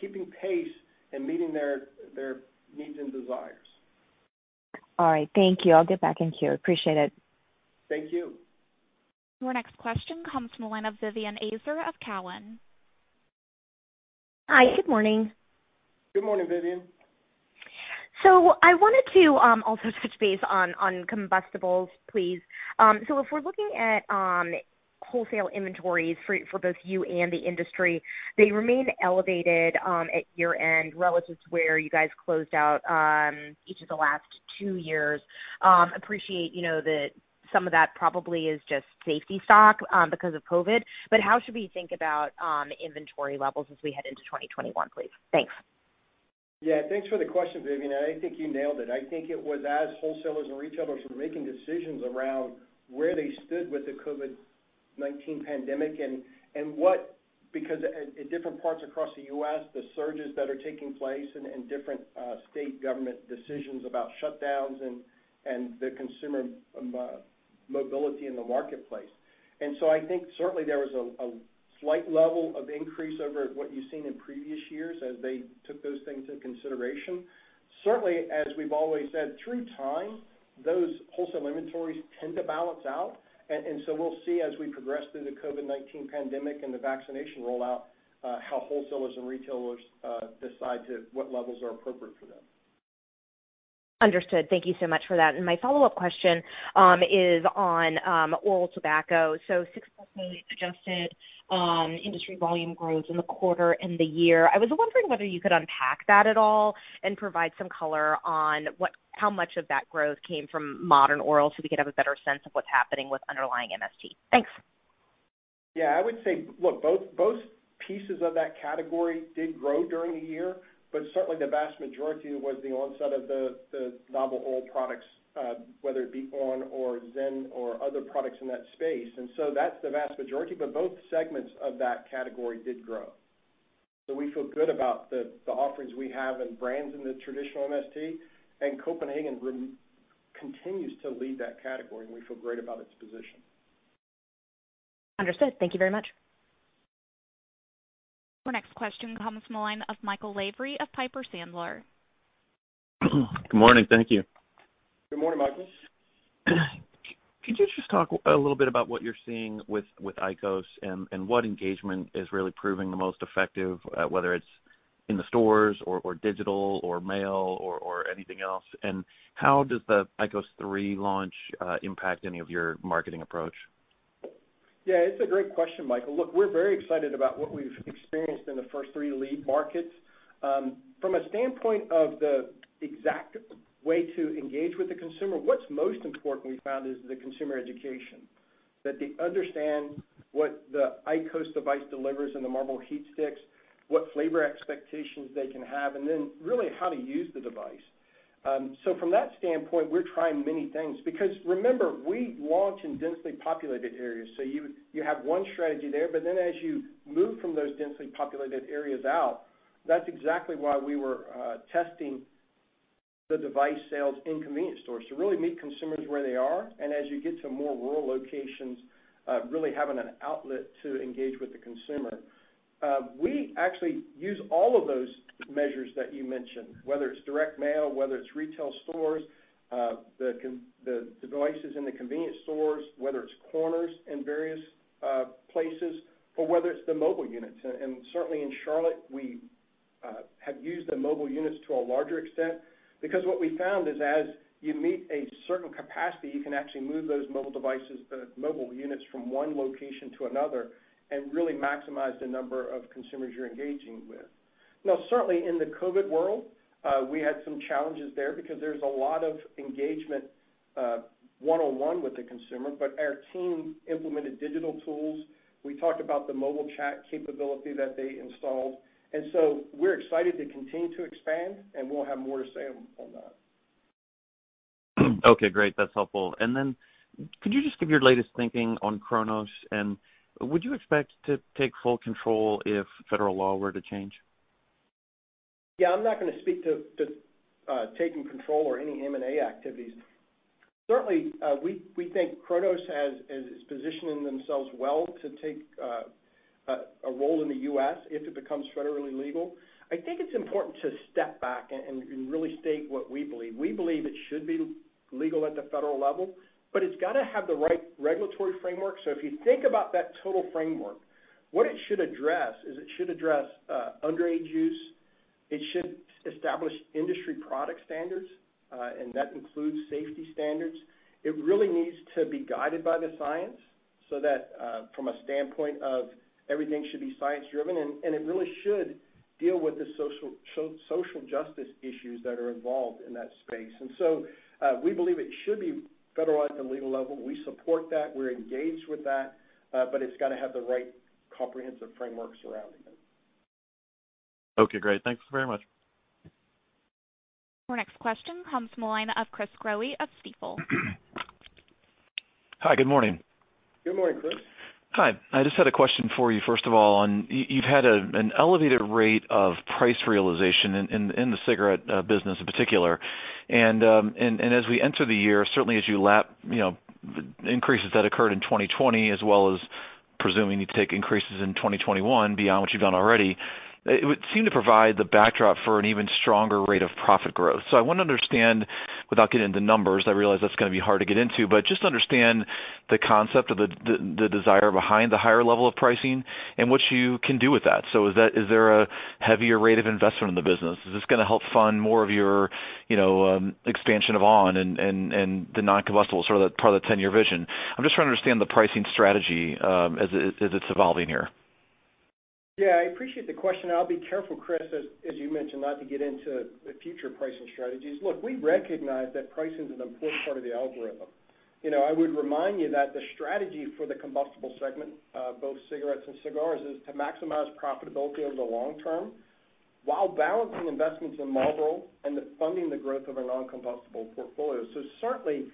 keeping pace and meeting their needs and desires. All right. Thank you. I'll get back in queue. Appreciate it. Thank you. Your next question comes from the line of Vivien Azer of Cowen. Hi, good morning. Good morning, Vivien. I wanted to also switch base on combustibles, please. If we're looking at wholesale inventories for both you and the industry, they remain elevated at year-end relative to where you guys closed out each of the last two years. Appreciate that some of that probably is just safety stock because of COVID-19, but how should we think about inventory levels as we head into 2021, please? Thanks. Yeah. Thanks for the question, Vivien. I think you nailed it. I think it was as wholesalers and retailers were making decisions around where they stood with the COVID-19 pandemic, because at different parts across the U.S., the surges that are taking place and different state government decisions about shutdowns and the consumer mobility in the marketplace. I think certainly there was a slight level of increase over what you've seen in previous years as they took those things into consideration. Certainly, as we've always said, through time, those wholesale inventories tend to balance out. We'll see as we progress through the COVID-19 pandemic and the vaccination rollout, how wholesalers and retailers decide what levels are appropriate for them. Understood. Thank you so much for that. My follow-up question is on oral nicotine. 6% adjusted industry volume growth in the quarter and the year. I was wondering whether you could unpack that at all and provide some color on how much of that growth came from modern oral so we could have a better sense of what's happening with underlying MST. Thanks. I would say, look, both pieces of that category did grow during the year, but certainly the vast majority was the onset of the novel oral products, whether it be on or ZYN or other products in that space. That's the vast majority, but both segments of that category did grow. We feel good about the offerings we have and brands in the traditional MST, and Copenhagen continues to lead that category, and we feel great about its position. Understood. Thank you very much. Our next question comes from the line of Michael Lavery of Piper Sandler. Good morning. Thank you. Good morning, Michael. Could you just talk a little bit about what you're seeing with IQOS and what engagement is really proving the most effective, whether it's in the stores or digital or mail or anything else? How does the IQOS 3 launch impact any of your marketing approach? Yeah, it's a great question, Michael. Look, we're very excited about what we've experienced in the first three lead markets. From a standpoint of the exact way to engage with the consumer, what's most important we found is the consumer education. That they understand what the IQOS device delivers and the Marlboro HeatSticks, what flavor expectations they can have, and then really how to use the device. From that standpoint, we're trying many things because remember, we launch in densely populated areas. You have one strategy there, as you move from those densely populated areas out, that's exactly why we were testing the device sales in convenience stores to really meet consumers where they are. As you get to more rural locations, really having an outlet to engage with the consumer. We actually use all of those measures that you mentioned, whether it's direct mail, whether it's retail stores, the devices in the convenience stores, whether it's corners in various places or whether it's the mobile units. Certainly in Charlotte, we have used the mobile units to a larger extent because what we found is as you meet a certain capacity, you can actually move those mobile units from one location to another and really maximize the number of consumers you're engaging with. Certainly in the COVID world, we had some challenges there because there's a lot of engagement one-on-one with the consumer, but our team implemented digital tools. We talked about the mobile chat capability that they installed. We're excited to continue to expand, and we'll have more to say on that. Okay, great. That's helpful. Could you just give your latest thinking on Cronos, and would you expect to take full control if federal law were to change? Yeah, I'm not going to speak to taking control or any M&A activities. Certainly, we think Cronos has positioned themselves well to take a role in the U.S. if it becomes federally legal. I think it's important to step back and really state what we believe. We believe it should be legal at the federal level, it's got to have the right regulatory framework. If you think about that total framework, what it should address is it should address underage use. It should establish industry product standards, that includes safety standards. It really needs to be guided by the science so that from a standpoint of everything should be science-driven, it really should deal with the social justice issues that are involved in that space. We believe it should be federal at the legal level. We support that. We're engaged with that. It's got to have the right comprehensive framework surrounding it. Okay, great. Thanks very much. Our next question comes from the line of Chris Growe of Stifel. Hi, good morning. Good morning, Chris. Hi. I just had a question for you, first of all, on, you've had an elevated rate of price realization in the cigarette business in particular. As we enter the year, certainly as you lap increases that occurred in 2020 as well as. Presuming you take increases in 2021 beyond what you've done already, it would seem to provide the backdrop for an even stronger rate of profit growth. I want to understand, without getting into numbers, I realize that's going to be hard to get into, but just understand the concept of the desire behind the higher level of pricing and what you can do with that. Is there a heavier rate of investment in the business? Is this going to help fund more of your expansion of on and the non-combustible part of the 10-year vision? I'm just trying to understand the pricing strategy as it's evolving here. Yeah, I appreciate the question, and I'll be careful, Chris, as you mentioned, not to get into the future pricing strategies. Look, we recognize that pricing is an important part of the algorithm. I would remind you that the strategy for the combustible segment, both cigarettes and cigars, is to maximize profitability over the long term while balancing investments in Marlboro and funding the growth of our non-combustible portfolio. Certainly,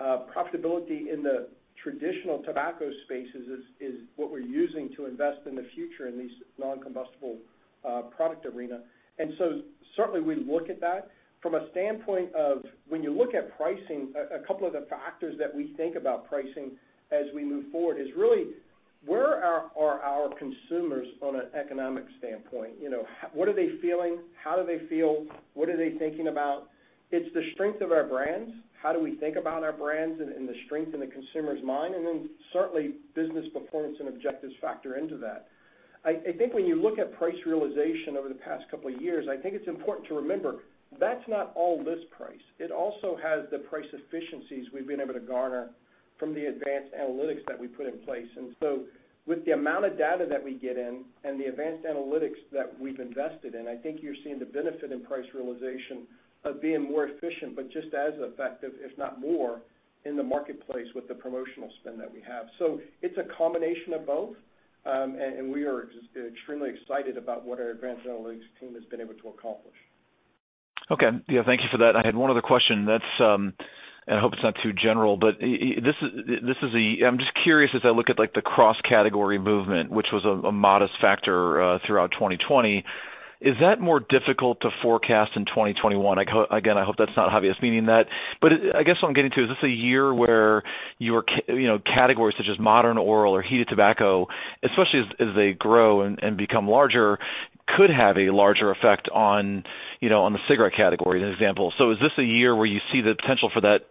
profitability in the traditional tobacco spaces is what we're using to invest in the future in these non-combustible product arena. Certainly we look at that. From a standpoint of when you look at pricing, a couple of the factors that we think about pricing as we move forward is really where are our consumers on an economic standpoint? What are they feeling? How do they feel? What are they thinking about? It's the strength of our brands. How do we think about our brands and the strength in the consumer's mind? Certainly business performance and objectives factor into that. I think when you look at price realization over the past couple of years, I think it's important to remember, that's not all list price. It also has the price efficiencies we've been able to garner from the advanced analytics that we put in place. With the amount of data that we get in and the advanced analytics that we've invested in, I think you're seeing the benefit in price realization of being more efficient, but just as effective, if not more, in the marketplace with the promotional spend that we have. It's a combination of both, and we are extremely excited about what our advanced analytics team has been able to accomplish. Okay. Yeah, thank you for that. I had one other question that's, and I hope it's not too general, but I'm just curious as I look at the cross-category movement, which was a modest factor throughout 2020. Is that more difficult to forecast in 2021? Again, I hope that's not obvious, meaning that, but I guess what I'm getting to, is this a year where your categories such as modern oral or heated tobacco, especially as they grow and become larger, could have a larger effect on the cigarette category, as an example. Is this a year where you see the potential for that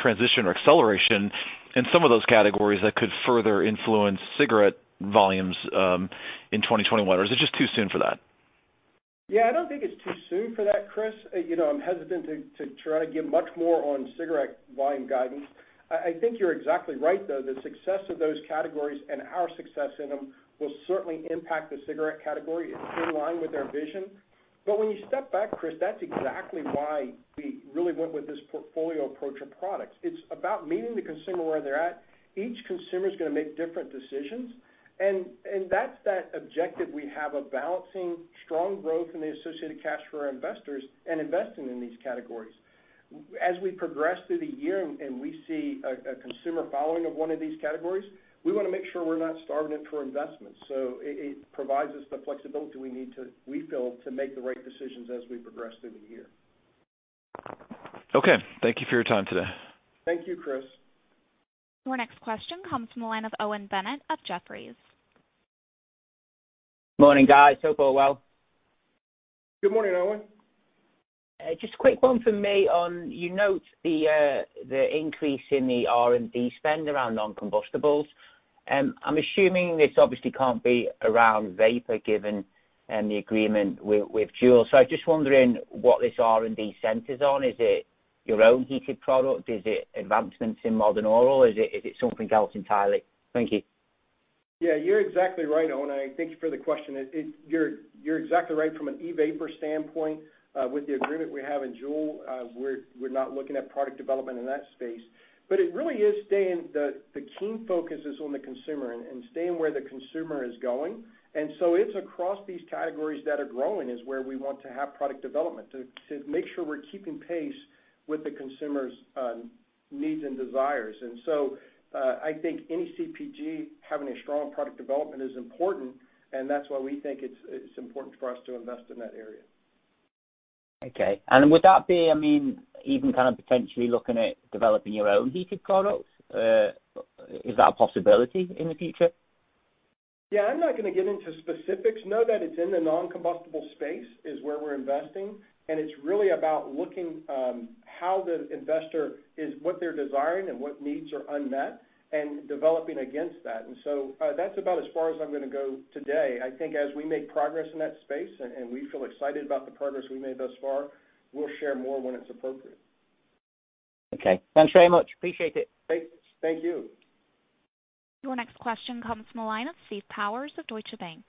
transition or acceleration in some of those categories that could further influence cigarette volumes in 2021, or is it just too soon for that? I don't think it's too soon for that, Chris. I'm hesitant to try to give much more on cigarette volume guidance. I think you're exactly right, though. The success of those categories and our success in them will certainly impact the cigarette category. It's in line with our vision. When you step back, Chris, that's exactly why we really went with this portfolio approach of products. It's about meeting the consumer where they're at. Each consumer's going to make different decisions, and that's that objective we have of balancing strong growth in the associated cash for our investors and investing in these categories. As we progress through the year and we see a consumer following of one of these categories, we want to make sure we're not starving it for investment. It provides us the flexibility we need, we feel, to make the right decisions as we progress through the year. Okay. Thank you for your time today. Thank you, Chris. Your next question comes from the line of Owen Bennett of Jefferies. Morning, guys. Hope all well. Good morning, Owen. Just a quick one from me on. You note the increase in the R&D spend around non-combustibles. I'm assuming this obviously can't be around vapor given the agreement with JUUL. I'm just wondering what this R&D centers on. Is it your own heated product? Is it advancements in modern oral? Is it something else entirely? Thank you. Yeah, you're exactly right, Owen. Thank you for the question. You're exactly right from an e-vapor standpoint. With the agreement we have in JUUL, we're not looking at product development in that space. It really is staying the keen focus is on the consumer and staying where the consumer is going. It's across these categories that are growing is where we want to have product development, to make sure we're keeping pace with the consumer's needs and desires. I think any CPG having a strong product development is important, and that's why we think it's important for us to invest in that area. Okay. Would that be even potentially looking at developing your own heated products? Is that a possibility in the future? I'm not going to get into specifics. Know that it's in the non-combustible space is where we're investing, and it's really about looking how the investor is, what they're desiring and what needs are unmet and developing against that. That's about as far as I'm going to go today. I think as we make progress in that space and we feel excited about the progress we made thus far, we'll share more when it's appropriate. Okay. Thanks very much. Appreciate it. Thank you. Your next question comes from the line of Steve Powers of Deutsche Bank.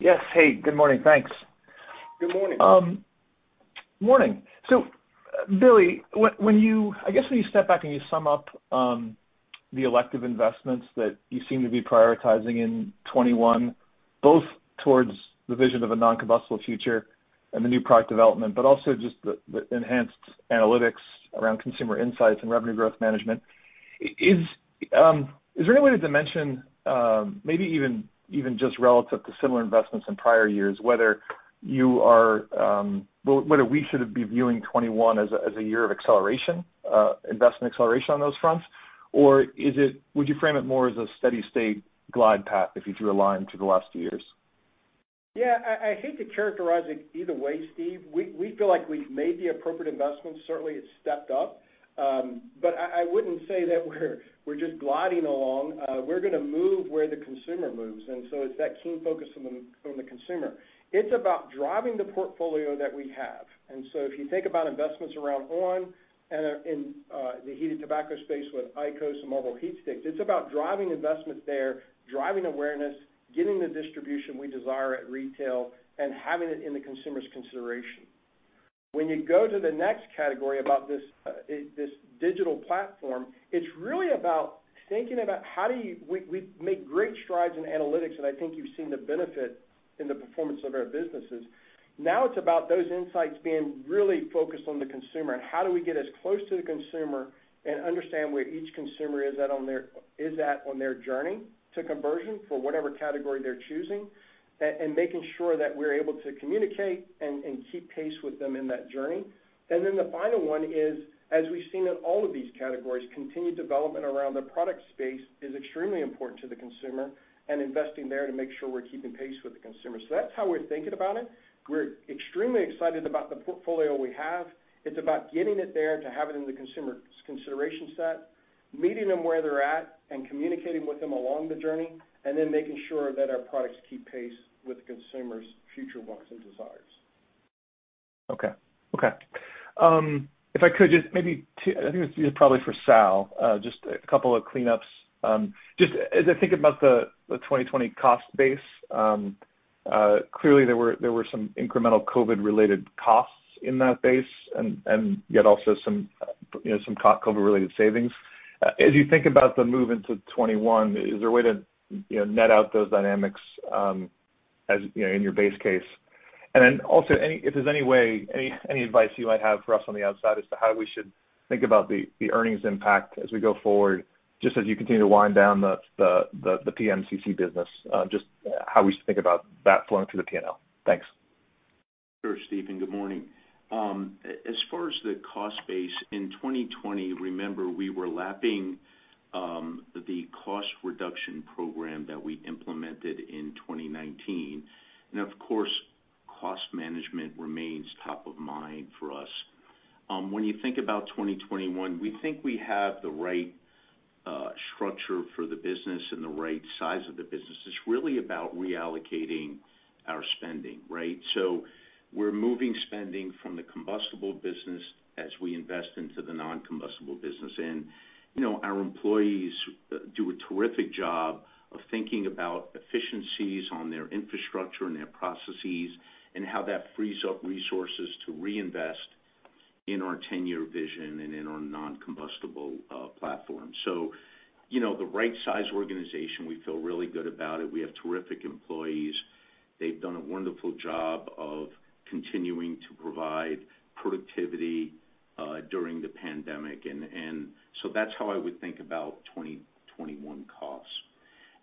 Yes, hey, good morning. Thanks. Good morning. Morning. Billy, I guess when you step back and you sum up the elective investments that you seem to be prioritizing in 2021, both towards the vision of a non-combustible future and the new product development, but also just the enhanced analytics around consumer insights and revenue growth management, is there any way to dimension, maybe even just relative to similar investments in prior years, whether we should be viewing 2021 as a year of investment acceleration on those fronts, or would you frame it more as a steady state glide path if you drew a line through the last few years? I hate to characterize it either way, Steve. We feel like we've made the appropriate investments. Certainly, it's stepped up. I wouldn't say that we're just gliding along. We're going to move where the consumer moves, it's that keen focus on the consumer. It's about driving the portfolio that we have. If you think about investments around on and the heated tobacco space with IQOS and multiple HeatSticks, it's about driving investment there, driving awareness, getting the distribution we desire at retail, and having it in the consumer's consideration. When you go to the next category about this digital platform, it's really about thinking about We've made great strides in analytics, I think you've seen the benefit in the performance of our businesses. Now it's about those insights being really focused on. the consumer and how do we get as close to the consumer and understand where each consumer is at on their journey to conversion for whatever category they're choosing, and making sure that we're able to communicate and keep pace with them in that journey. The final one is, as we've seen in all of these categories, continued development around the product space is extremely important to the consumer, and investing there to make sure we're keeping pace with the consumer. That's how we're thinking about it. We're extremely excited about the portfolio we have. It's about getting it there to have it in the consumer's consideration set, meeting them where they're at, and communicating with them along the journey, and then making sure that our products keep pace with the consumer's future wants and desires. Okay. If I could just maybe, I think this is probably for Sal, just a couple of cleanups. Just as I think about the 2020 cost base, clearly there were some incremental COVID-related costs in that base, also some COVID-related savings. You think about the move into 2021, is there a way to net out those dynamics in your base case? Also, if there's any way, any advice you might have for us on the outside as to how we should think about the earnings impact as we go forward, just as you continue to wind down the PMCC business, just how we should think about that flowing through the P&L. Thanks. Sure, Steve. Good morning. As far as the cost base in 2020, remember, we were lapping the cost reduction program that we implemented in 2019. Of course, cost management remains top of mind for us. When you think about 2021, we think we have the right structure for the business and the right size of the business. It's really about reallocating our spending, right? We're moving spending from the combustible business as we invest into the non-combustible business. Our employees do a terrific job of thinking about efficiencies on their infrastructure and their processes and how that frees up resources to reinvest in our 10-year vision and in our non-combustible platform. The right size organization, we feel really good about it. We have terrific employees. They've done a wonderful job of continuing to provide productivity during the pandemic. That's how I would think about 2021 costs.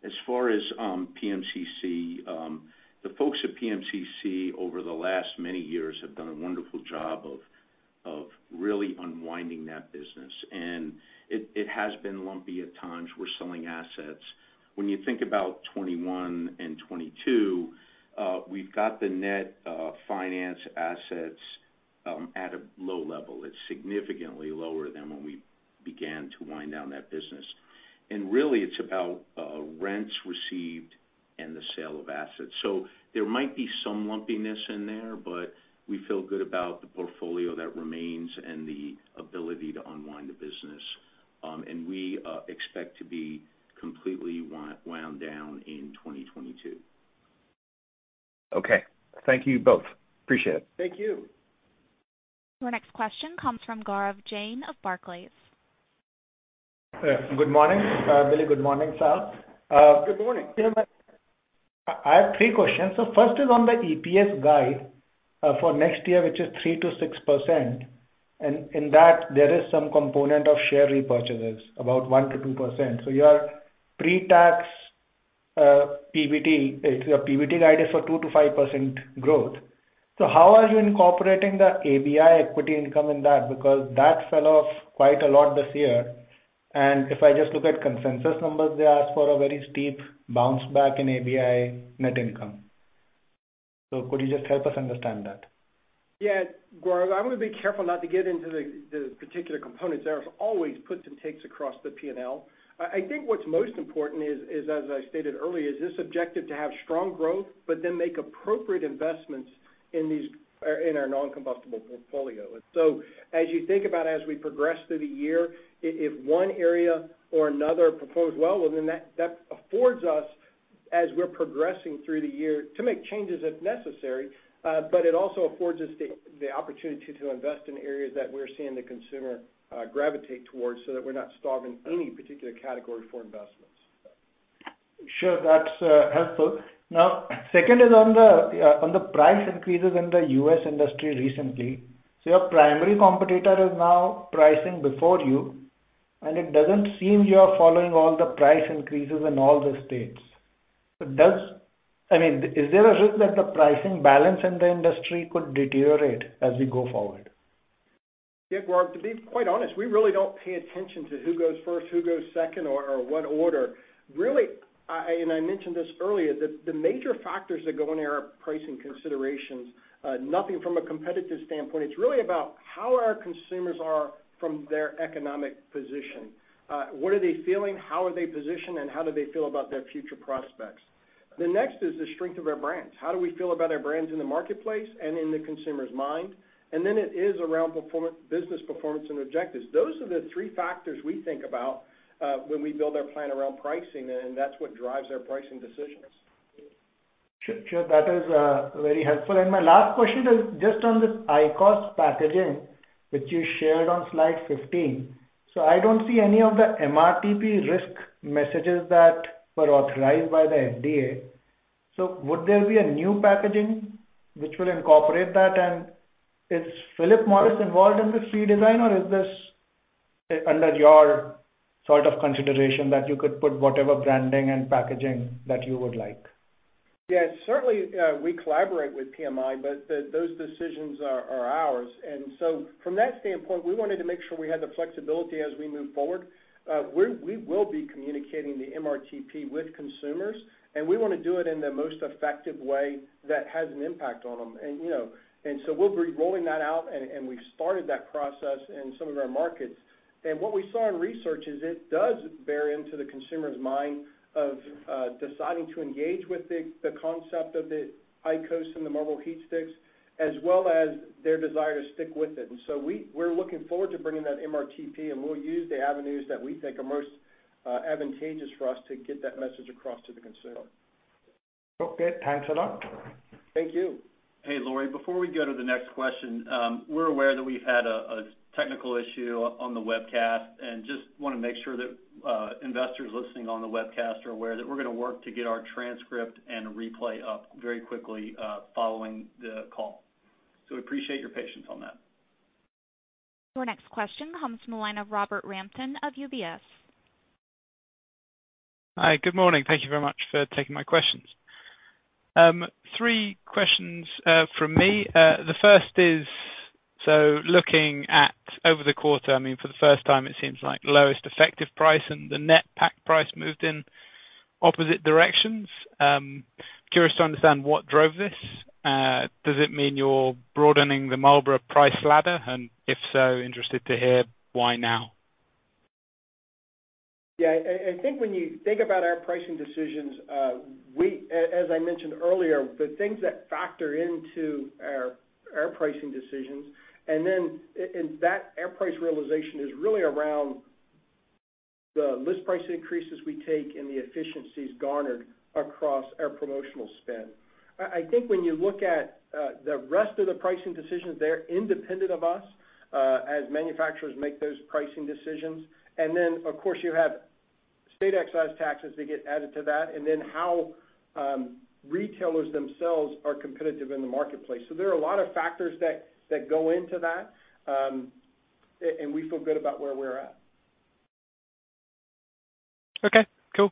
As far as PMCC, the folks at PMCC over the last many years have done a wonderful job of really unwinding that business. It has been lumpy at times. We're selling assets. When you think about 2021 and 2022, we've got the net finance assets at a low level. It's significantly lower than when we began to wind down that business. Really it's about rents received and the sale of assets. There might be some lumpiness in there, but we feel good about the portfolio that remains and the ability to unwind the business. We expect to be completely wound down in 2022. Okay. Thank you both. Appreciate it. Thank you. Your next question comes from Gaurav Jain of Barclays. Good morning, Billy. Good morning, Sal. Good morning. I have three questions. First is on the EPS guide for next year, which is 3%-6%. In that, there is some component of share repurchases, about 1%-2%. Your pre-tax PBT guide is for 2%-5% growth. How are you incorporating the ABI equity income in that? Because that fell off quite a lot this year. If I just look at consensus numbers, they ask for a very steep bounce back in ABI net income. Could you just help us understand that? Gaurav, I want to be careful not to get into the particular components there. There's always puts and takes across the P&L. I think what's most important is, as I stated earlier, is this objective to have strong growth, make appropriate investments in our non-combustible portfolio. As you think about as we progress through the year, if one area or another performs well, that affords us, as we're progressing through the year, to make changes if necessary, it also affords us the opportunity to invest in areas that we're seeing the consumer gravitate towards so that we're not starving any particular category for investments. Sure. That's helpful. Second is on the price increases in the U.S. industry recently. Your primary competitor is now pricing before you, and it doesn't seem you are following all the price increases in all the states. Is there a risk that the pricing balance in the industry could deteriorate as we go forward? Yeah, Gaurav, to be quite honest, we really don't pay attention to who goes first, who goes second, or what order. Really, I mentioned this earlier, that the major factors that go in there are pricing considerations. Nothing from a competitive standpoint. It's really about how our consumers are from their economic position. What are they feeling? How are they positioned, and how do they feel about their future prospects? The next is the strength of our brands. How do we feel about our brands in the marketplace and in the consumer's mind? Then it is around business performance and objectives. Those are the three factors we think about when we build our plan around pricing, and that's what drives our pricing decisions. Sure. That is very helpful. My last question is just on this IQOS packaging, which you shared on slide 15. I don't see any of the MRTP risk messages that were authorized by the FDA. Would there be a new packaging which will incorporate that? Is Philip Morris involved in this redesign, or is this under your sort of consideration that you could put whatever branding and packaging that you would like? Yes, certainly, we collaborate with PMI, but those decisions are ours. From that standpoint, we wanted to make sure we had the flexibility as we move forward. We will be communicating the MRTP with consumers, and we want to do it in the most effective way that has an impact on them. We'll be rolling that out, and we've started that process in some of our markets. What we saw in research is it does bear into the consumer's mind of deciding to engage with the concept of the IQOS and the Marlboro HeatSticks, as well as their desire to stick with it. We're looking forward to bringing that MRTP, and we'll use the avenues that we think are most advantageous for us to get that message across to the consumer. Okay. Thanks a lot. Thank you. Hey, Laurie before we go to the next question, we're aware that we've had a technical issue on the webcast, just want to make sure that investors listening on the webcast are aware that we're going to work to get our transcript and replay up very quickly, following the call. We appreciate your patience on that. Your next question comes from the line of Robert Rampton of UBS. Hi. Good morning. Thank you very much for taking my questions. Three questions from me. The first is, looking at over the quarter, I mean, for the first time, it seems like lowest effective price and the net pack price moved in opposite directions. Curious to understand what drove this. Does it mean you're broadening the Marlboro price ladder, and if so, interested to hear why now? I think when you think about our pricing decisions, as I mentioned earlier, the things that factor into our pricing decisions and then our price realization is really around the list price increases we take and the efficiencies garnered across our promotional spend. I think when you look at the rest of the pricing decisions, they're independent of us, as manufacturers make those pricing decisions. Of course, you have state excise taxes that get added to that, and then how retailers themselves are competitive in the marketplace. There are a lot of factors that go into that, and we feel good about where we're at. Okay, cool.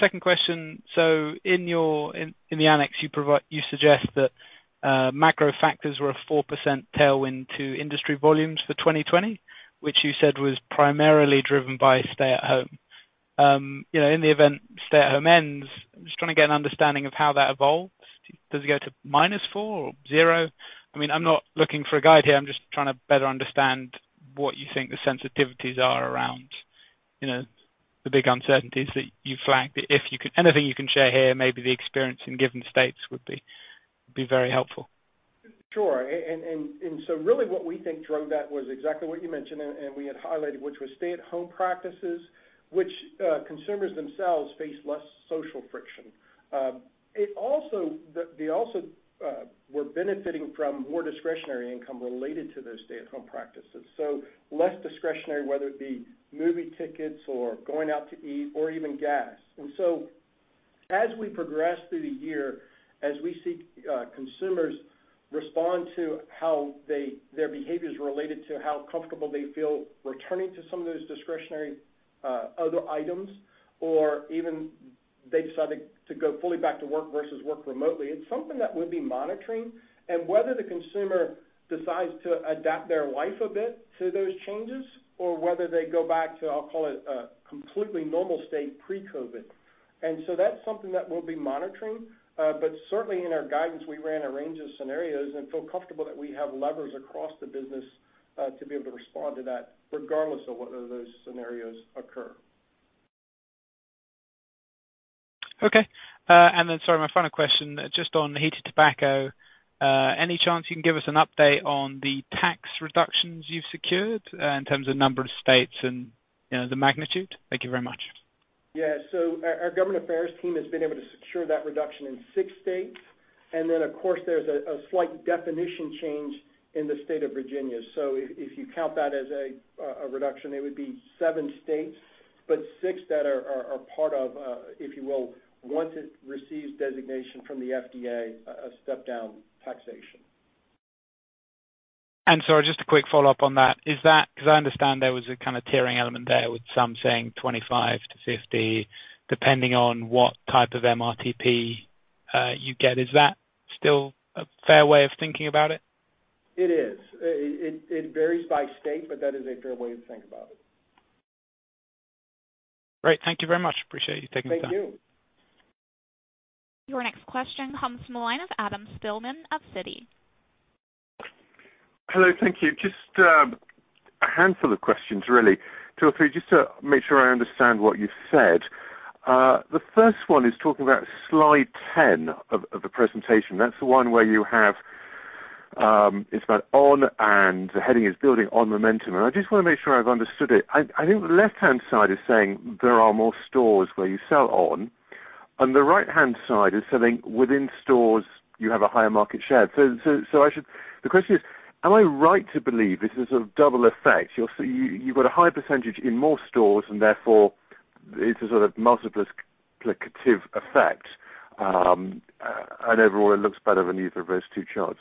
Second question. In the annex, you suggest that macro factors were a 4% tailwind to industry volumes for 2020, which you said was primarily driven by stay-at-home. In the event stay-at-home ends, I'm just trying to get an understanding of how that evolves. Does it go to minus four or zero? I'm not looking for a guide here. I'm just trying to better understand what you think the sensitivities are around the big uncertainties that you flagged. Anything you can share here, maybe the experience in given states would be very helpful. Sure. Really what we think drove that was exactly what you mentioned and we had highlighted, which was stay-at-home practices, which consumers themselves face less social friction. They also were benefiting from more discretionary income related to those stay-at-home practices. Less discretionary, whether it be movie tickets or going out to eat or even gas. As we progress through the year, as we see consumers respond to how their behaviors related to how comfortable they feel returning to some of those discretionary other items, or even they decided to go fully back to work versus work remotely, it's something that we'll be monitoring and whether the consumer decides to adapt their life a bit to those changes or whether they go back to, I'll call it a completely normal state pre-COVID-19. That's something that we'll be monitoring. Certainly in our guidance, we ran a range of scenarios and feel comfortable that we have levers across the business to be able to respond to that regardless of whether those scenarios occur. Okay. Sorry, my final question, just on heated tobacco, any chance you can give us an update on the tax reductions you've secured in terms of number of states and the magnitude? Thank you very much. Yeah. Our government affairs team has been able to secure that reduction in six states. Of course, there's a slight definition change in the state of Virginia. If you count that as a reduction, it would be seven states, but six that are part of, if you will, once it receives designation from the FDA, a step-down taxation. Just a quick follow-up on that. Because I understand there was a kind of tiering element there with some saying 25-50, depending on what type of MRTP -you get. Is that still a fair way of thinking about it? It is. It varies by state, but that is a fair way to think about it. Great. Thank you very much. Appreciate you taking the time. Thank you. Your next question comes from the line of Adam Spielman of Citi. Hello, thank you. Just a handful of questions really, two or three, just to make sure I understand what you said. The first one is talking about slide 10 of the presentation. That's the one where you have, it's about on and the heading is building on momentum. I just want to make sure I've understood it. I think the left-hand side is saying there are more stores where you sell on, and the right-hand side is saying within stores, you have a higher market share. The question is, am I right to believe this is a double effect? You've got a high percentage in more stores and therefore it's a sort of multiplicative effect, and overall, it looks better than either of those two charts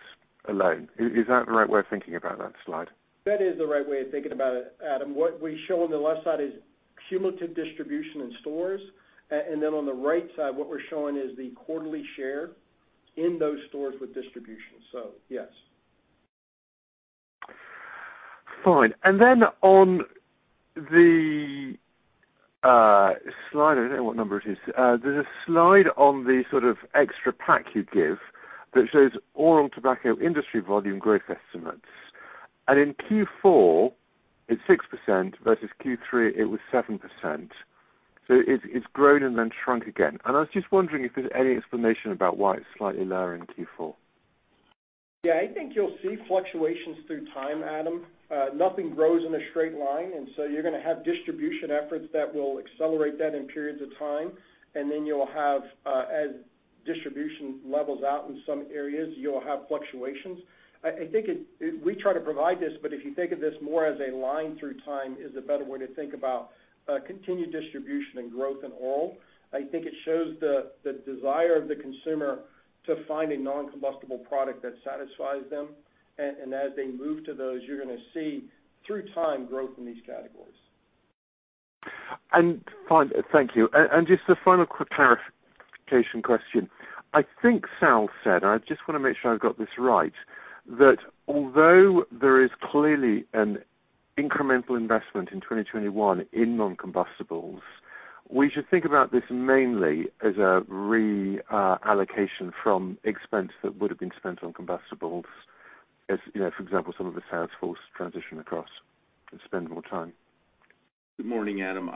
alone. Is that the right way of thinking about that slide? That is the right way of thinking about it, Adam. What we show on the left side is cumulative distribution in stores, and then on the right side, what we're showing is the quarterly share in those stores with distribution. Yes. Fine. on the slide, I don't know what number it is. There's a slide on the sort of extra pack you give that shows oral tobacco industry volume growth estimates. In Q4, it's 6% versus Q3, it was 7%. It's grown and then shrunk again. I was just wondering if there's any explanation about why it's slightly lower in Q4. Yeah, I think you'll see fluctuations through time, Adam. Nothing grows in a straight line, and so you're going to have distribution efforts that will accelerate that in periods of time. You'll have, as distribution levels out in some areas, you'll have fluctuations. I think we try to provide this, but if you think of this more as a line through time is a better way to think about continued distribution and growth in oral. I think it shows the desire of the consumer to find a non-combustible product that satisfies them. As they move to those, you're going to see through time growth in these categories. Fine. Thank you. Just a final clarification question. I think Sal said, I just want to make sure I've got this right, that although there is clearly an incremental investment in 2021 in non-combustibles, we should think about this mainly as a reallocation from expense that would have been spent on combustibles as, for example, some of the sales force transition across and spend more time. Good morning, Adam.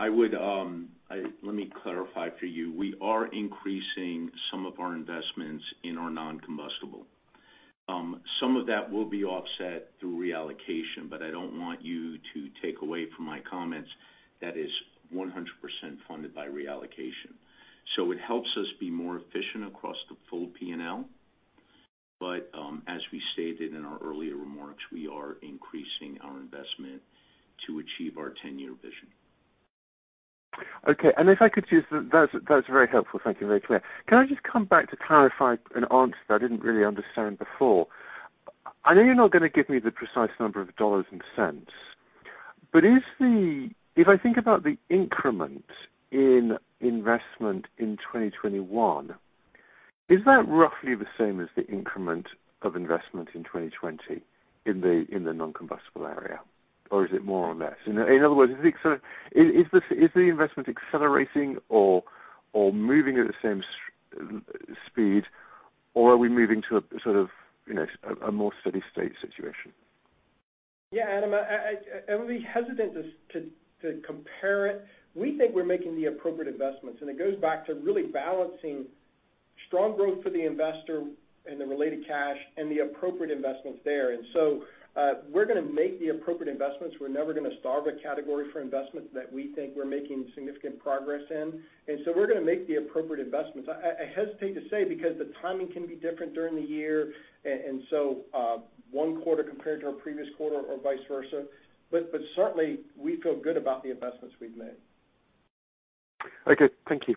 Let me clarify for you. We are increasing some of our investments in our non-combustible. Some of that will be offset through reallocation, but I don't want you to take away from my comments that is 100% funded by reallocation. It helps us be more efficient across the full P&L. As we stated in our earlier remarks, we are increasing our investment to achieve our 10-year vision. Okay. That's very helpful, thank you. Very clear. Can I just come back to clarify an answer that I didn't really understand before? I know you're not going to give me the precise number of dollars and cents, but if I think about the increment in investment in 2021, is that roughly the same as the increment of investment in 2020 in the non-combustible area? Is it more or less? In other words, is the investment accelerating or moving at the same speed, or are we moving to a sort of a more steady state situation? Yeah, Adam, I'd be hesitant to compare it. We think we're making the appropriate investments, and it goes back to really balancing strong growth for the investor and the related cash and the appropriate investments there. We're going to make the appropriate investments. We're never going to starve a category for investment that we think we're making significant progress in. We're going to make the appropriate investments. I hesitate to say, because the timing can be different during the year, and so one quarter compared to our previous quarter or vice versa. Certainly, we feel good about the investments we've made. Okay. Thank you.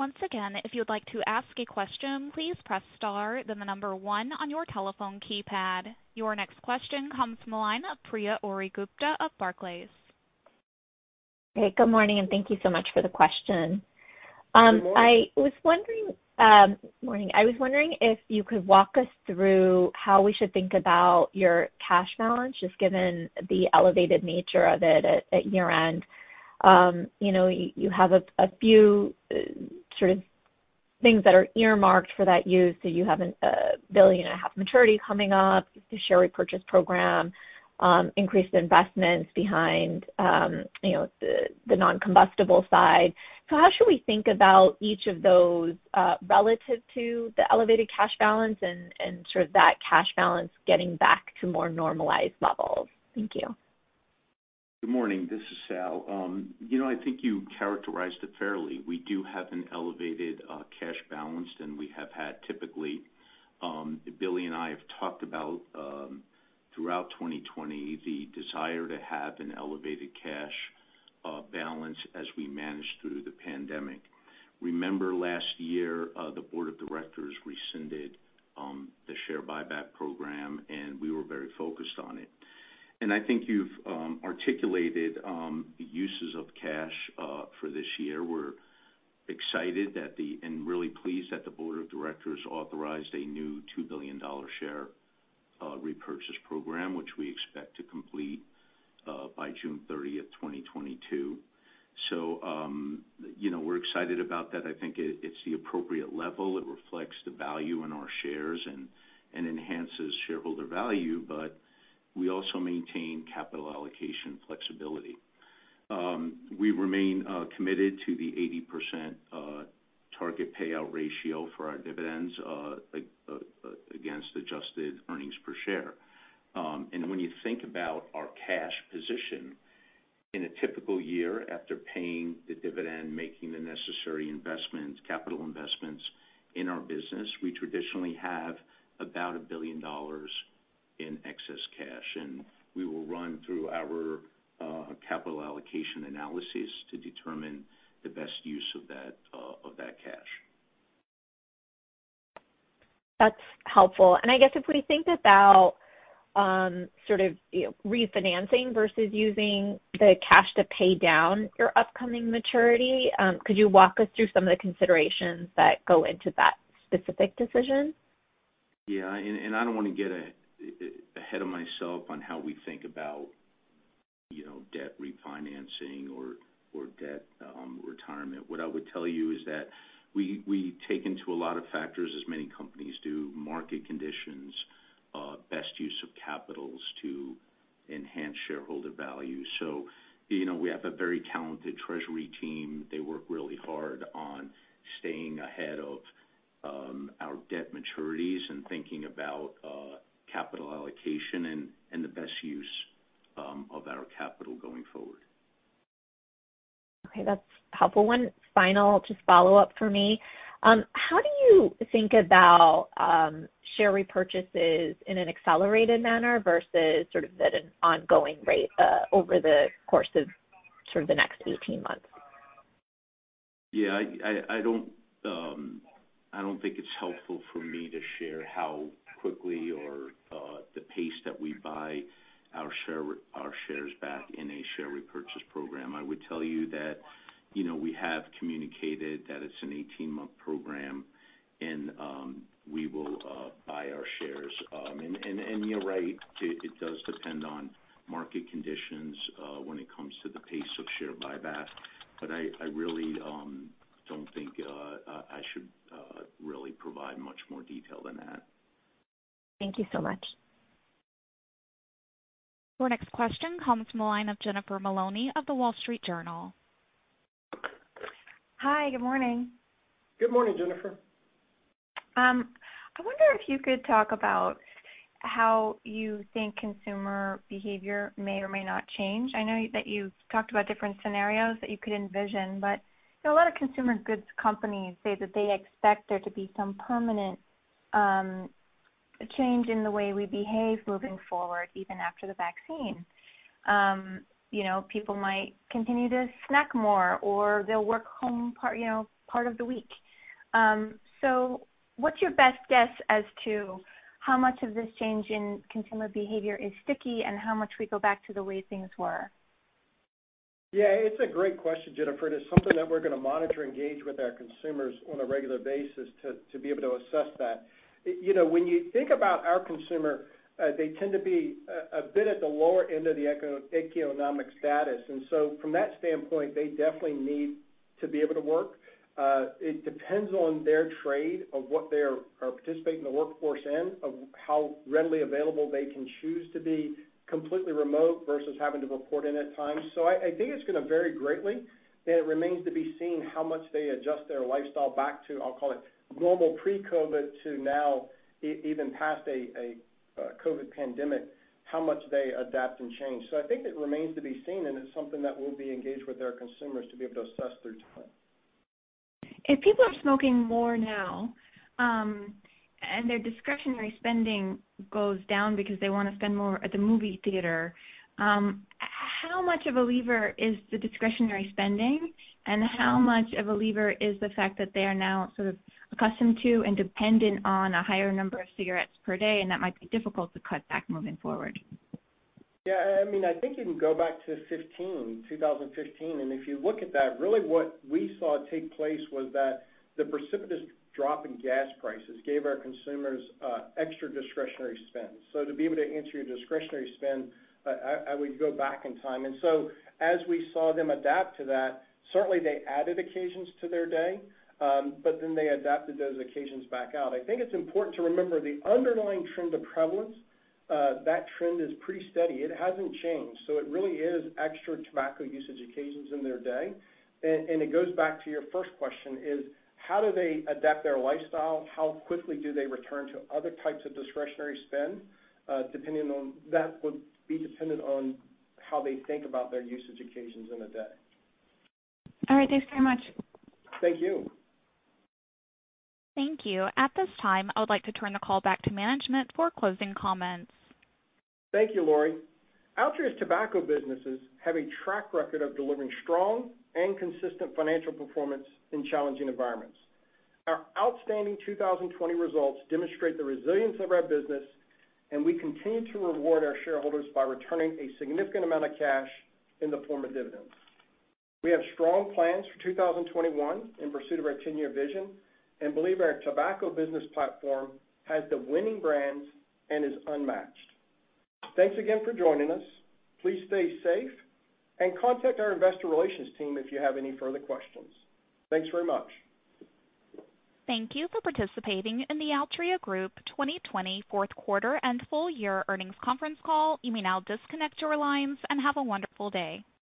Once again if you would like to ask a question, please press star then number one on your telephone keypad. Your next question comes from the line of Priya Ohri-Gupta of Barclays. Hey, good morning, and thank you so much for the question. Good morning. Morning. I was wondering if you could walk us through how we should think about your cash balance, just given the elevated nature of it at year-end. You have a few sort of things that are earmarked for that use. You have a billion and a half maturity coming up, the share repurchase program, increased investments behind the non-combustible side. How should we think about each of those relative to the elevated cash balance and sort of that cash balance getting back to more normalized levels? Thank you. Good morning. This is Sal. I think you characterized it fairly. We do have an elevated cash balance than we have had typically. Billy and I have talked about throughout 2020, the desire to have an elevated cash balance as we manage through the pandemic. Remember last year, the board of directors rescinded the share buyback program, we were very focused on it. I think you've articulated the uses of cash for this year. We're excited and really pleased that the board of directors authorized a new $2 billion share repurchase program, which we expect to complete by June 30th, 2022. We're excited about that. I think it's the appropriate level. It reflects the value in our shares and enhances shareholder value. We also maintain capital allocation flexibility. We remain committed to the 80% target payout ratio for our dividends against adjusted earnings per share. When you think about our cash position, in a typical year after paying the dividend, making the necessary capital investments in our business, we traditionally have about $1 billion in excess cash, and we will run through our capital allocation analysis to determine the best use of that cash. That's helpful. I guess if we think about refinancing versus using the cash to pay down your upcoming maturity, could you walk us through some of the considerations that go into that specific decision? I don't want to get ahead of myself on how we think about debt refinancing or debt retirement. What I would tell you is that we take into a lot of factors, as many companies do, market conditions, best use of capital to enhance shareholder value. We have a very talented treasury team. They work really hard on staying ahead of our debt maturities and thinking about capital allocation and the best use of our capital going forward. Okay, that's helpful. One final just follow-up for me. How do you think about share repurchases in an accelerated manner versus at an ongoing rate over the course of the next 18 months? I don't think it's helpful for me to share how quickly or the pace that we buy our shares back in a share repurchase program. I would tell you that we have communicated that it's an 18-month program. We will buy our shares. You're right, it does depend on market conditions when it comes to the pace of share buyback. I really don't think I should really provide much more detail than that. Thank you so much. Your next question comes from the line of Jennifer Maloney of The Wall Street Journal. Hi, good morning. Good morning, Jennifer. I wonder if you could talk about how you think consumer behavior may or may not change. I know that you talked about different scenarios that you could envision. A lot of consumer goods companies say that they expect there to be some permanent change in the way we behave moving forward, even after the vaccine. People might continue to snack more, or they'll work home part of the week. What's your best guess as to how much of this change in consumer behavior is sticky, and how much we go back to the way things were? Yeah, it's a great question, Jennifer. It is something that we're going to monitor, engage with our consumers on a regular basis to be able to assess that. When you think about our consumer, they tend to be a bit at the lower end of the economic status, and so from that standpoint, they definitely need to be able to work. It depends on their trade of what they are participating in the workforce in, of how readily available they can choose to be completely remote versus having to report in at times. I think it's going to vary greatly, and it remains to be seen how much they adjust their lifestyle back to, I'll call it, normal pre-COVID to now even past a COVID pandemic, how much they adapt and change. I think it remains to be seen, and it's something that we'll be engaged with our consumers to be able to assess through time. If people are smoking more now and their discretionary spending goes down because they want to spend more at the movie theater, how much of a lever is the discretionary spending, and how much of a lever is the fact that they are now sort of accustomed to and dependent on a higher number of cigarettes per day, and that might be difficult to cut back moving forward? Yeah, I think you can go back to 2015, and if you look at that, really what we saw take place was that the precipitous drop in gas prices gave our consumers extra discretionary spend. To be able to answer your discretionary spend, I would go back in time. As we saw them adapt to that, certainly they added occasions to their day, they adapted those occasions back out. I think it's important to remember the underlying trend of prevalence, that trend is pretty steady. It hasn't changed. It really is extra tobacco usage occasions in their day. It goes back to your first question is, how do they adapt their lifestyle? How quickly do they return to other types of discretionary spend? That would be dependent on how they think about their usage occasions in a day. All right. Thanks very much. Thank you. Thank you. At this time, I would like to turn the call back to management for closing comments. Thank you, Laurie. Altria's tobacco businesses have a track record of delivering strong and consistent financial performance in challenging environments. Our outstanding 2020 results demonstrate the resilience of our business, and we continue to reward our shareholders by returning a significant amount of cash in the form of dividends. We have strong plans for 2021 in pursuit of our 10-year vision and believe our tobacco business platform has the winning brands and is unmatched. Thanks again for joining us. Please stay safe and contact our investor relations team if you have any further questions. Thanks very much. Thank you for participating in the Altria Group 2020 fourth quarter and full year earnings conference call. You may now disconnect your lines and have a wonderful day.